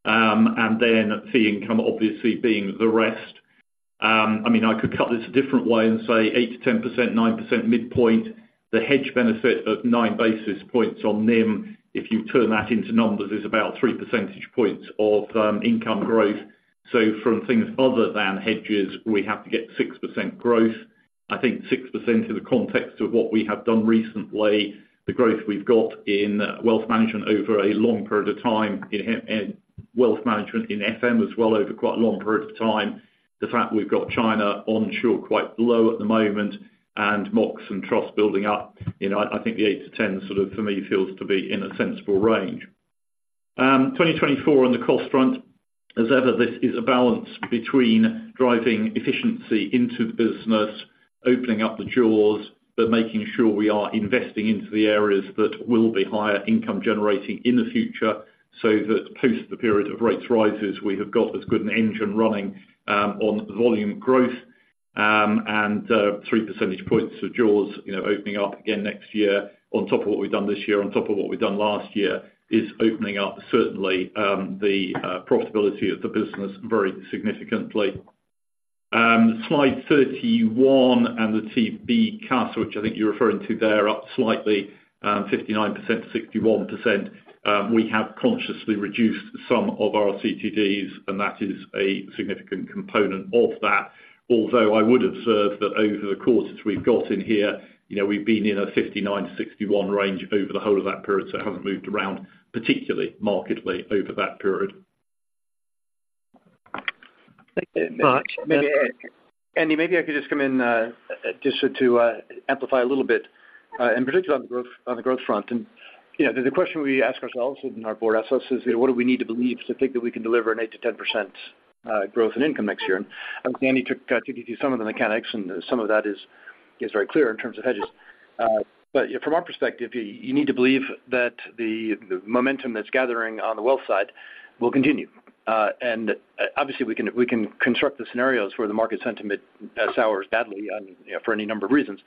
And then fee income obviously being the rest. I mean, I could cut this a different way and say 8%-10%, 9% midpoint, the hedge benefit of nine basis points on NIM, if you turn that into numbers, is about three percentage points of income growth. From things other than hedges, we have to get 6% growth. I think 6% in the context of what we have done recently, the growth we've got in wealth management over a long period of time, in wealth management in FM as well, over quite a long period of time. The fact that we've got China onshore quite low at the moment, and Mox and Trust building up, you know, I think the 8%-10%, sort of for me, feels to be in a sensible range. 2024 on the cost front, as ever, this is a balance between driving efficiency into the business, opening up the jaws, but making sure we are investing into the areas that will be higher income generating in the future, so that post the period of rates rises, we have got as good an engine running on volume growth. Three percentage points of jaws, you know, opening up again next year on top of what we've done this year, on top of what we've done last year, is opening up certainly the profitability of the business very significantly. Slide 31 and the TB CASA, which I think you're referring to there, up slightly, 59%-61%. We have consciously reduced some of our CTDs, and that is a significant component of that. Although I would observe that over the quarters we've got in here, you know, we've been in a 59%-61% range over the whole of that period, so it hasn't moved around, particularly markedly over that period. ...
Andy, maybe I could just come in, just to amplify a little bit, in particular on the growth, on the growth front. You know, the question we ask ourselves and our board asks us is, you know, what do we need to believe to think that we can deliver an 8%-10% growth in income next year? Andy took you through some of the mechanics, and some of that is very clear in terms of hedges. But from our perspective, you need to believe that the momentum that's gathering on the wealth side will continue. And obviously, we can construct the scenarios where the market sentiment sours badly on, you know, for any number of reasons.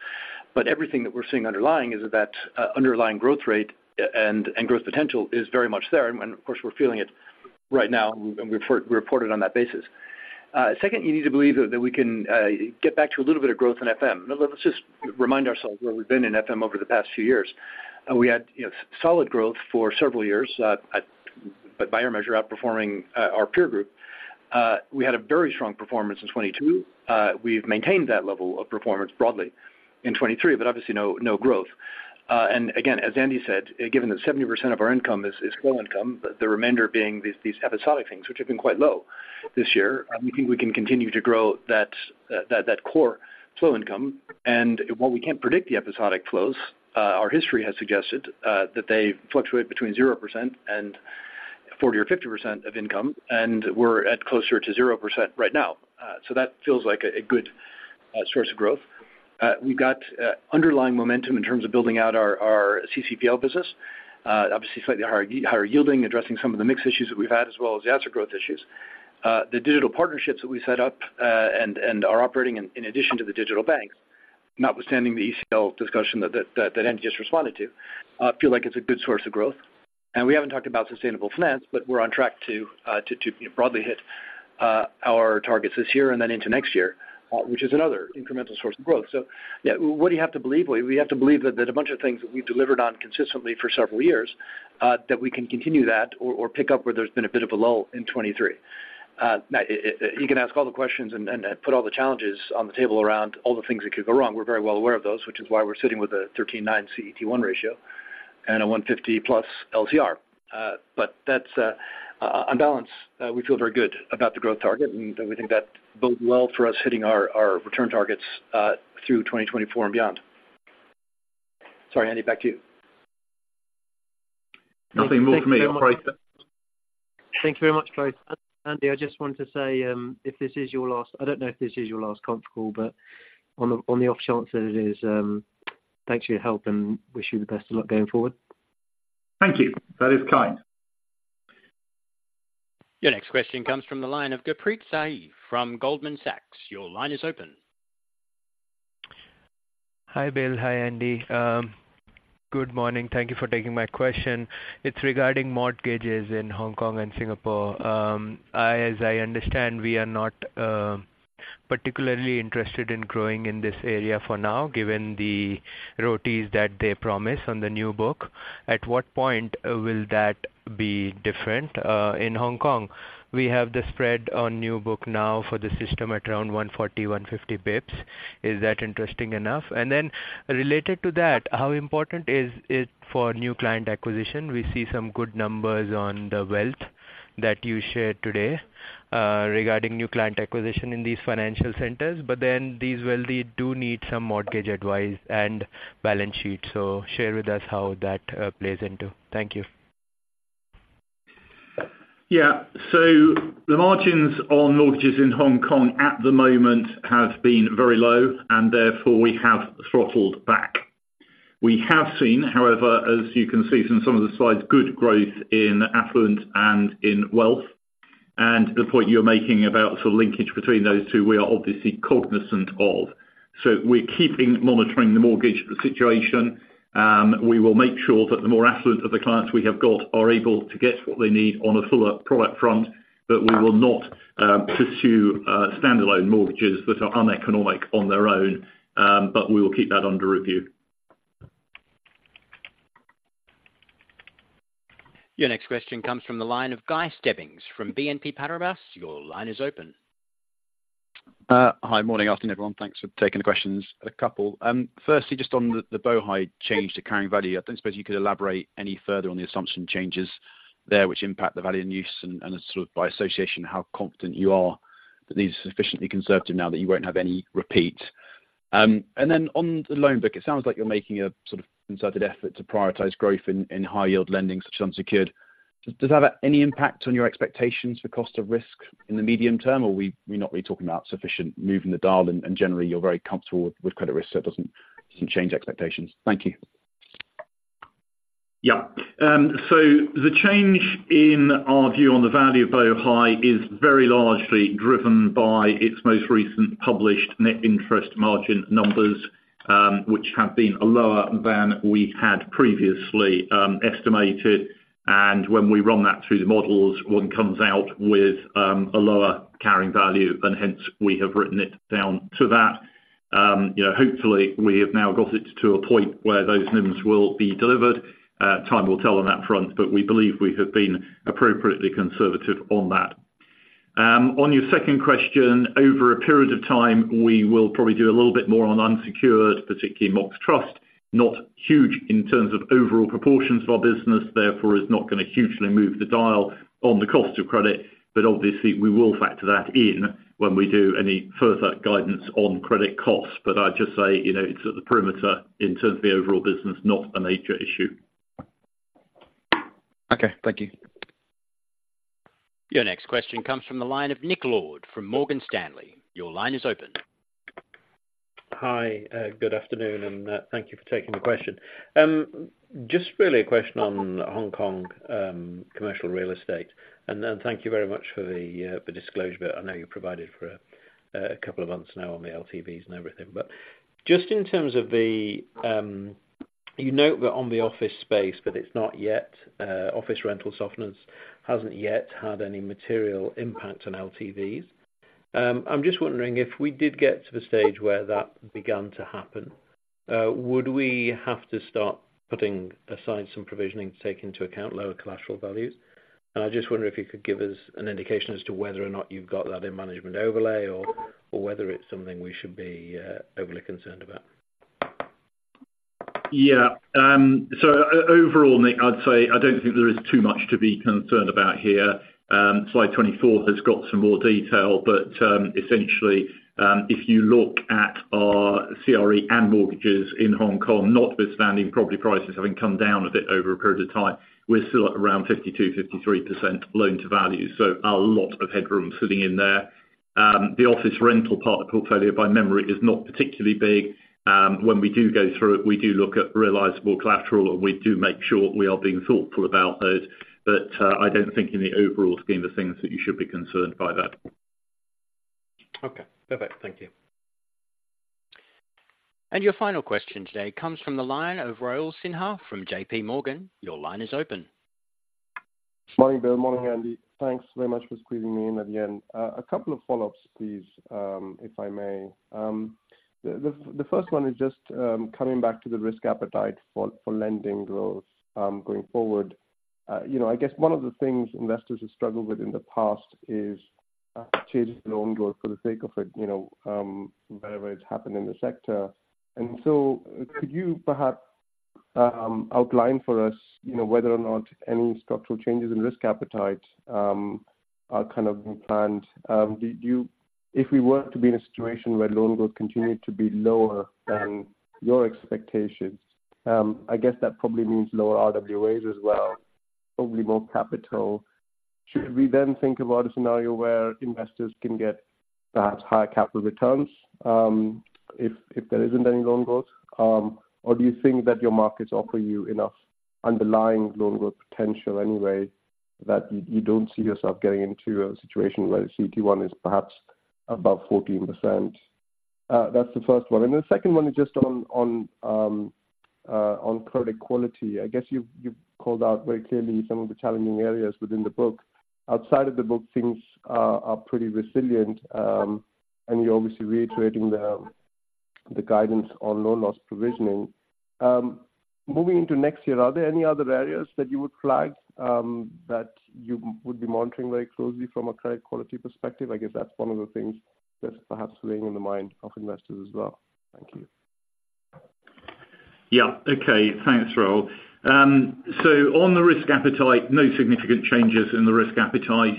But everything that we're seeing underlying is that underlying growth rate and growth potential is very much there. And of course, we're feeling it right now, and we report, we reported on that basis. Second, you need to believe that we can get back to a little bit of growth in FM. Let's just remind ourselves where we've been in FM over the past few years. We had, you know, solid growth for several years, but by our measure, outperforming our peer group. We had a very strong performance in 2022. We've maintained that level of performance broadly in 2023, but obviously no growth. And again, as Andy said, given that 70% of our income is flow income, the remainder being these episodic things, which have been quite low this year, we think we can continue to grow that core flow income. And while we can't predict the episodic flows, our history has suggested that they fluctuate between 0% and 40% or 50% of income, and we're at closer to 0% right now. So that feels like a good source of growth. We've got underlying momentum in terms of building out our CCPL business. Obviously, slightly higher yielding, addressing some of the mix issues that we've had, as well as the asset growth issues. The digital partnerships that we set up, and are operating in, in addition to the digital banks, notwithstanding the ECL discussion that Andy just responded to, feel like it's a good source of growth. And we haven't talked about sustainable finance, but we're on track to broadly hit our targets this year and then into next year, which is another incremental source of growth. So, yeah, what do you have to believe? We have to believe that a bunch of things that we've delivered on consistently for several years, that we can continue that or pick up where there's been a bit of a lull in 2023. You can ask all the questions and put all the challenges on the table around all the things that could go wrong. We're very well aware of those, which is why we're sitting with a 13.9 CET1 ratio and a 150+ LCR. But that's, on balance, we feel very good about the growth target, and we think that bodes well for us hitting our, our return targets, through 2024 and beyond. Sorry, Andy, back to you.
Nothing more from me.
Thank you very much, both. Andy, I just wanted to say, if this is your last... I don't know if this is your last conf call, but on the, on the off chance that it is, thanks for your help, and wish you the best of luck going forward.
Thank you. That is kind.
Your next question comes from the line of Gurpreet Singh from Goldman Sachs. Your line is open.
Hi, Bill. Hi, Andy. Good morning. Thank you for taking my question. It's regarding mortgages in Hong Kong and Singapore. As I understand, we are not particularly interested in growing in this area for now, given the ROTEs that they promise on the new book. At what point will that be different? In Hong Kong, we have the spread on new book now for the system at around 140, 150 basis points. Is that interesting enough? And then related to that, how important is it for new client acquisition? We see some good numbers on the wealth that you shared today, regarding new client acquisition in these financial centers, but then these wealthy do need some mortgage advice and balance sheet. So share with us how that plays into. Thank you.
Yeah. So the margins on mortgages in Hong Kong at the moment have been very low, and therefore, we have throttled back. We have seen, however, as you can see from some of the slides, good growth in affluent and in wealth. And the point you're making about the linkage between those two, we are obviously cognizant of. So we're keeping monitoring the mortgage situation. We will make sure that the more affluent of the clients we have got are able to get what they need on a fuller product front, but we will not pursue standalone mortgages that are uneconomic on their own. But we will keep that under review.
Your next question comes from the line of Guy Stebbings from BNP Paribas. Your line is open.
Hi. Morning, afternoon, everyone. Thanks for taking the questions, a couple. Firstly, just on the Bohai change to carrying value, I don't suppose you could elaborate any further on the assumption changes there, which impact the value-in-use and, and sort of by association, how confident you are that these are sufficiently conservative now that you won't have any repeat? And then on the loan book, it sounds like you're making a sort of concerted effort to prioritize growth in high yield lending, such unsecured. Does that have any impact on your expectations for cost of risk in the medium term, or we're not really talking about sufficient moving the dial and, and generally you're very comfortable with credit risk, so it doesn't change expectations. Thank you.
Yeah. So the change in our view on the value of Bohai is very largely driven by its most recent published net interest margin numbers, which have been lower than we had previously estimated. And when we run that through the models, one comes out with a lower carrying value, and hence we have written it down to that. You know, hopefully, we have now got it to a point where those NIMs will be delivered. Time will tell on that front, but we believe we have been appropriately conservative on that. On your second question, over a period of time, we will probably do a little bit more on unsecured, particularly Mox, Trust... not huge in terms of overall proportions to our business, therefore, is not going to hugely move the dial on the cost of credit. But obviously, we will factor that in when we do any further guidance on credit costs. But I'd just say, you know, it's at the perimeter in terms of the overall business, not a major issue.
Okay, thank you.
Your next question comes from the line of Nick Lord from Morgan Stanley. Your line is open.
Hi, good afternoon, and, thank you for taking the question. Just really a question on Hong Kong, commercial real estate, and then thank you very much for the, the disclosure. I know you provided for, a couple of months now on the LTVs and everything. But just in terms of the, you note that on the office space, but it's not yet, office rental softness hasn't yet had any material impact on LTVs. I'm just wondering, if we did get to the stage where that began to happen, would we have to start putting aside some provisioning to take into account lower collateral values? And I just wonder if you could give us an indication as to whether or not you've got that in management overlay or, or whether it's something we should be, overly concerned about.
Yeah. So overall, Nick, I'd say I don't think there is too much to be concerned about here. Slide 24 has got some more detail, but, essentially, if you look at our CRE and mortgages in Hong Kong, notwithstanding property prices having come down a bit over a period of time, we're still at around 52%-53% loan-to-value, so a lot of headroom sitting in there. The office rental part of the portfolio, by memory, is not particularly big. When we do go through it, we do look at realizable collateral, and we do make sure we are being thoughtful about those. But, I don't think in the overall scheme of things, that you should be concerned by that.
Okay, perfect. Thank you.
Your final question today comes from the line of Rahul Sinha from J.P. Morgan. Your line is open.
Morning, Bill. Morning, Andy. Thanks very much for squeezing me in at the end. A couple of follow-ups, please, if I may. The first one is just coming back to the risk appetite for lending growth going forward. You know, I guess one of the things investors have struggled with in the past is changing loan growth for the sake of it, you know, wherever it's happened in the sector. And so could you perhaps outline for us, you know, whether or not any structural changes in risk appetite are kind of being planned? If we were to be in a situation where loan growth continued to be lower than your expectations, I guess that probably means lower RWAs as well, probably more capital. Should we then think about a scenario where investors can get perhaps higher capital returns, if there isn't any loan growth? Or do you think that your markets offer you enough underlying loan growth potential anyway, that you don't see yourself getting into a situation where CET1 is perhaps above 14%? That's the first one. And the second one is just on credit quality. I guess you've called out very clearly some of the challenging areas within the book. Outside of the book, things are pretty resilient, and you're obviously reiterating the guidance on loan loss provisioning. Moving into next year, are there any other areas that you would flag, that you would be monitoring very closely from a credit quality perspective? I guess that's one of the things that's perhaps weighing on the mind of investors as well. Thank you.
Yeah. Okay. Thanks, Rahul. So on the risk appetite, no significant changes in the risk appetite.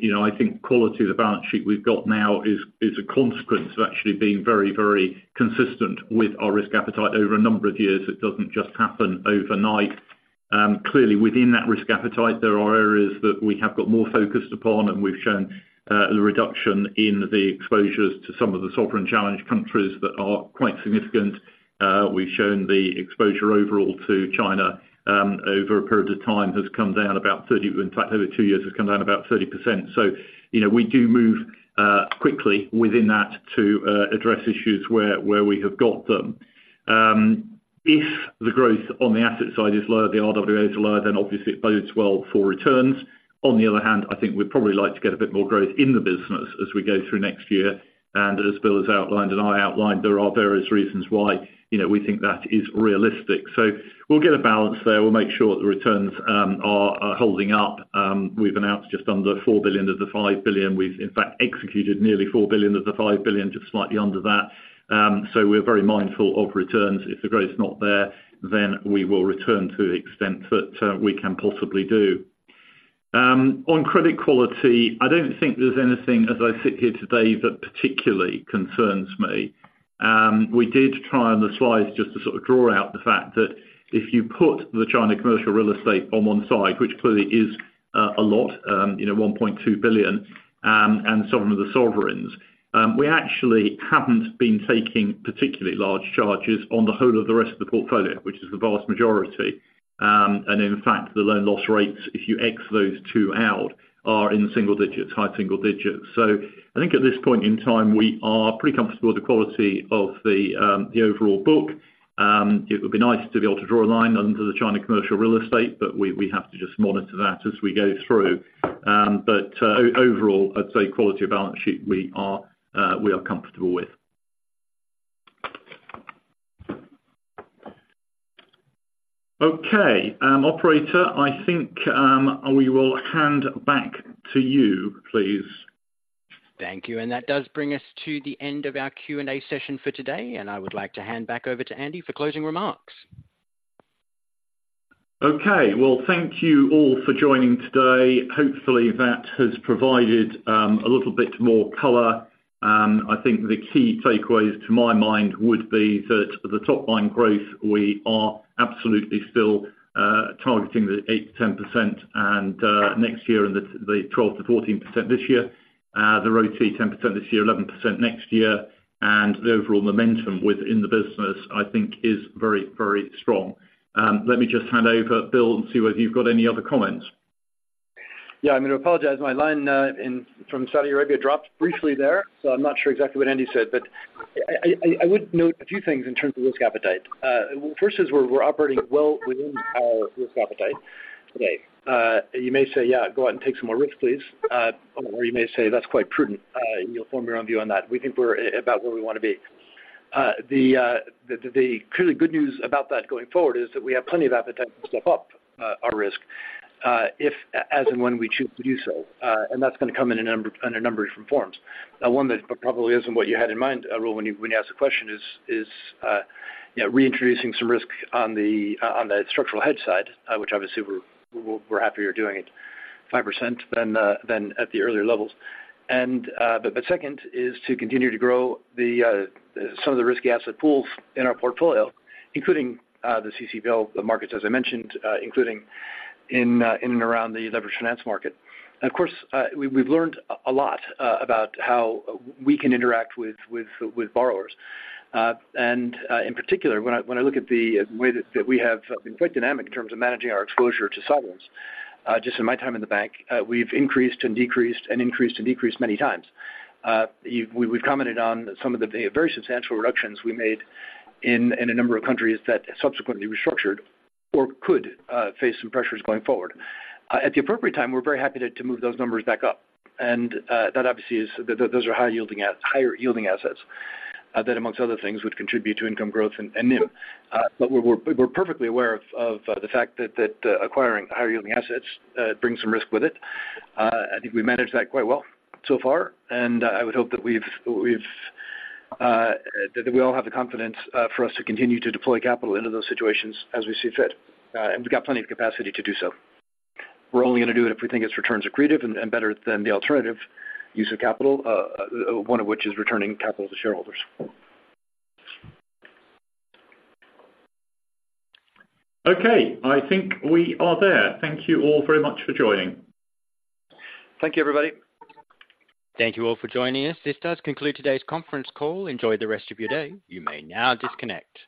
You know, I think quality of the balance sheet we've got now is a consequence of actually being very, very consistent with our risk appetite over a number of years. It doesn't just happen overnight. Clearly, within that risk appetite, there are areas that we have got more focused upon, and we've shown the reduction in the exposures to some of the sovereign challenged countries that are quite significant. We've shown the exposure overall to China, over a period of time, has come down about 30%—in fact, over two years, has come down about 30%. So, you know, we do move quickly within that to address issues where we have got them. If the growth on the asset side is lower, the RWAs are lower, then obviously it bodes well for returns. On the other hand, I think we'd probably like to get a bit more growth in the business as we go through next year. And as Bill has outlined, and I outlined, there are various reasons why, you know, we think that is realistic. So we'll get a balance there. We'll make sure the returns are holding up. We've announced just under $4 billion of the $5 billion. We've in fact executed nearly $4 billion of the $5 billion, just slightly under that. So we're very mindful of returns. If the growth is not there, then we will return to the extent that we can possibly do. On credit quality, I don't think there's anything, as I sit here today, that particularly concerns me. We did try on the slides just to sort of draw out the fact that if you put the China commercial real estate on one side, which clearly is a lot, you know, $1.2 billion, and some of the sovereigns, we actually haven't been taking particularly large charges on the whole of the rest of the portfolio, which is the vast majority. And in fact, the loan loss rates, if you X those two out, are in single digits, high single digits. So I think at this point in time, we are pretty comfortable with the quality of the overall book. It would be nice to be able to draw a line under the China commercial real estate, but we, we have to just monitor that as we go through. But overall, I'd say quality of balance sheet, we are, we are comfortable with. Okay, Operator, I think we will hand back to you, please.
Thank you. That does bring us to the end of our Q&A session for today, and I would like to hand back over to Andy for closing remarks.
Okay. Well, thank you all for joining today. Hopefully, that has provided a little bit more color. I think the key takeaways, to my mind, would be that the top line growth, we are absolutely still targeting the 8%-10% next year, and the 12%-14% this year. The ROTCE, 10% this year, 11% next year, and the overall momentum within the business, I think is very, very strong. Let me just hand over Bill and see whether you've got any other comments.
Yeah, I'm gonna apologize. My line in from Saudi Arabia dropped briefly there, so I'm not sure exactly what Andy said. But I would note a few things in terms of risk appetite. First is, we're operating well within our risk appetite today. You may say, "Yeah, go out and take some more risks, please." Or you may say, "That's quite prudent." You'll form your own view on that. We think we're about where we want to be. The clearly good news about that going forward is that we have plenty of appetite to step up our risk if, as and when we choose to do so. And that's gonna come in a number of different forms. Now, one, that probably isn't what you had in mind, Rahul, when you, when you asked the question is, you know, reintroducing some risk on the, on the structural hedge side, which obviously we're happier doing it 5% than at the earlier levels. And, but second is to continue to grow some of the risky asset pools in our portfolio, including the CCIB, the markets, as I mentioned, including in, in and around the leveraged finance market. And of course, we've learned a lot about how we can interact with borrowers. And, in particular, when I look at the way that we have been quite dynamic in terms of managing our exposure to sovereigns, just in my time in the bank, we've increased and decreased, and increased and decreased many times. We've commented on some of the very substantial reductions we made in a number of countries that subsequently restructured or could face some pressures going forward. At the appropriate time, we're very happy to move those numbers back up. And that obviously is, those are higher yielding assets that, amongst other things, would contribute to income growth and NIM. But we're perfectly aware of the fact that acquiring higher yielding assets brings some risk with it. I think we managed that quite well so far, and I would hope that we all have the confidence for us to continue to deploy capital into those situations as we see fit. And we've got plenty of capacity to do so. We're only gonna do it if we think its returns are accretive and better than the alternative use of capital, one of which is returning capital to shareholders.
Okay, I think we are there. Thank you all very much for joining.
Thank you, everybody.
Thank you all for joining us. This does conclude today's conference call. Enjoy the rest of your day. You may now disconnect.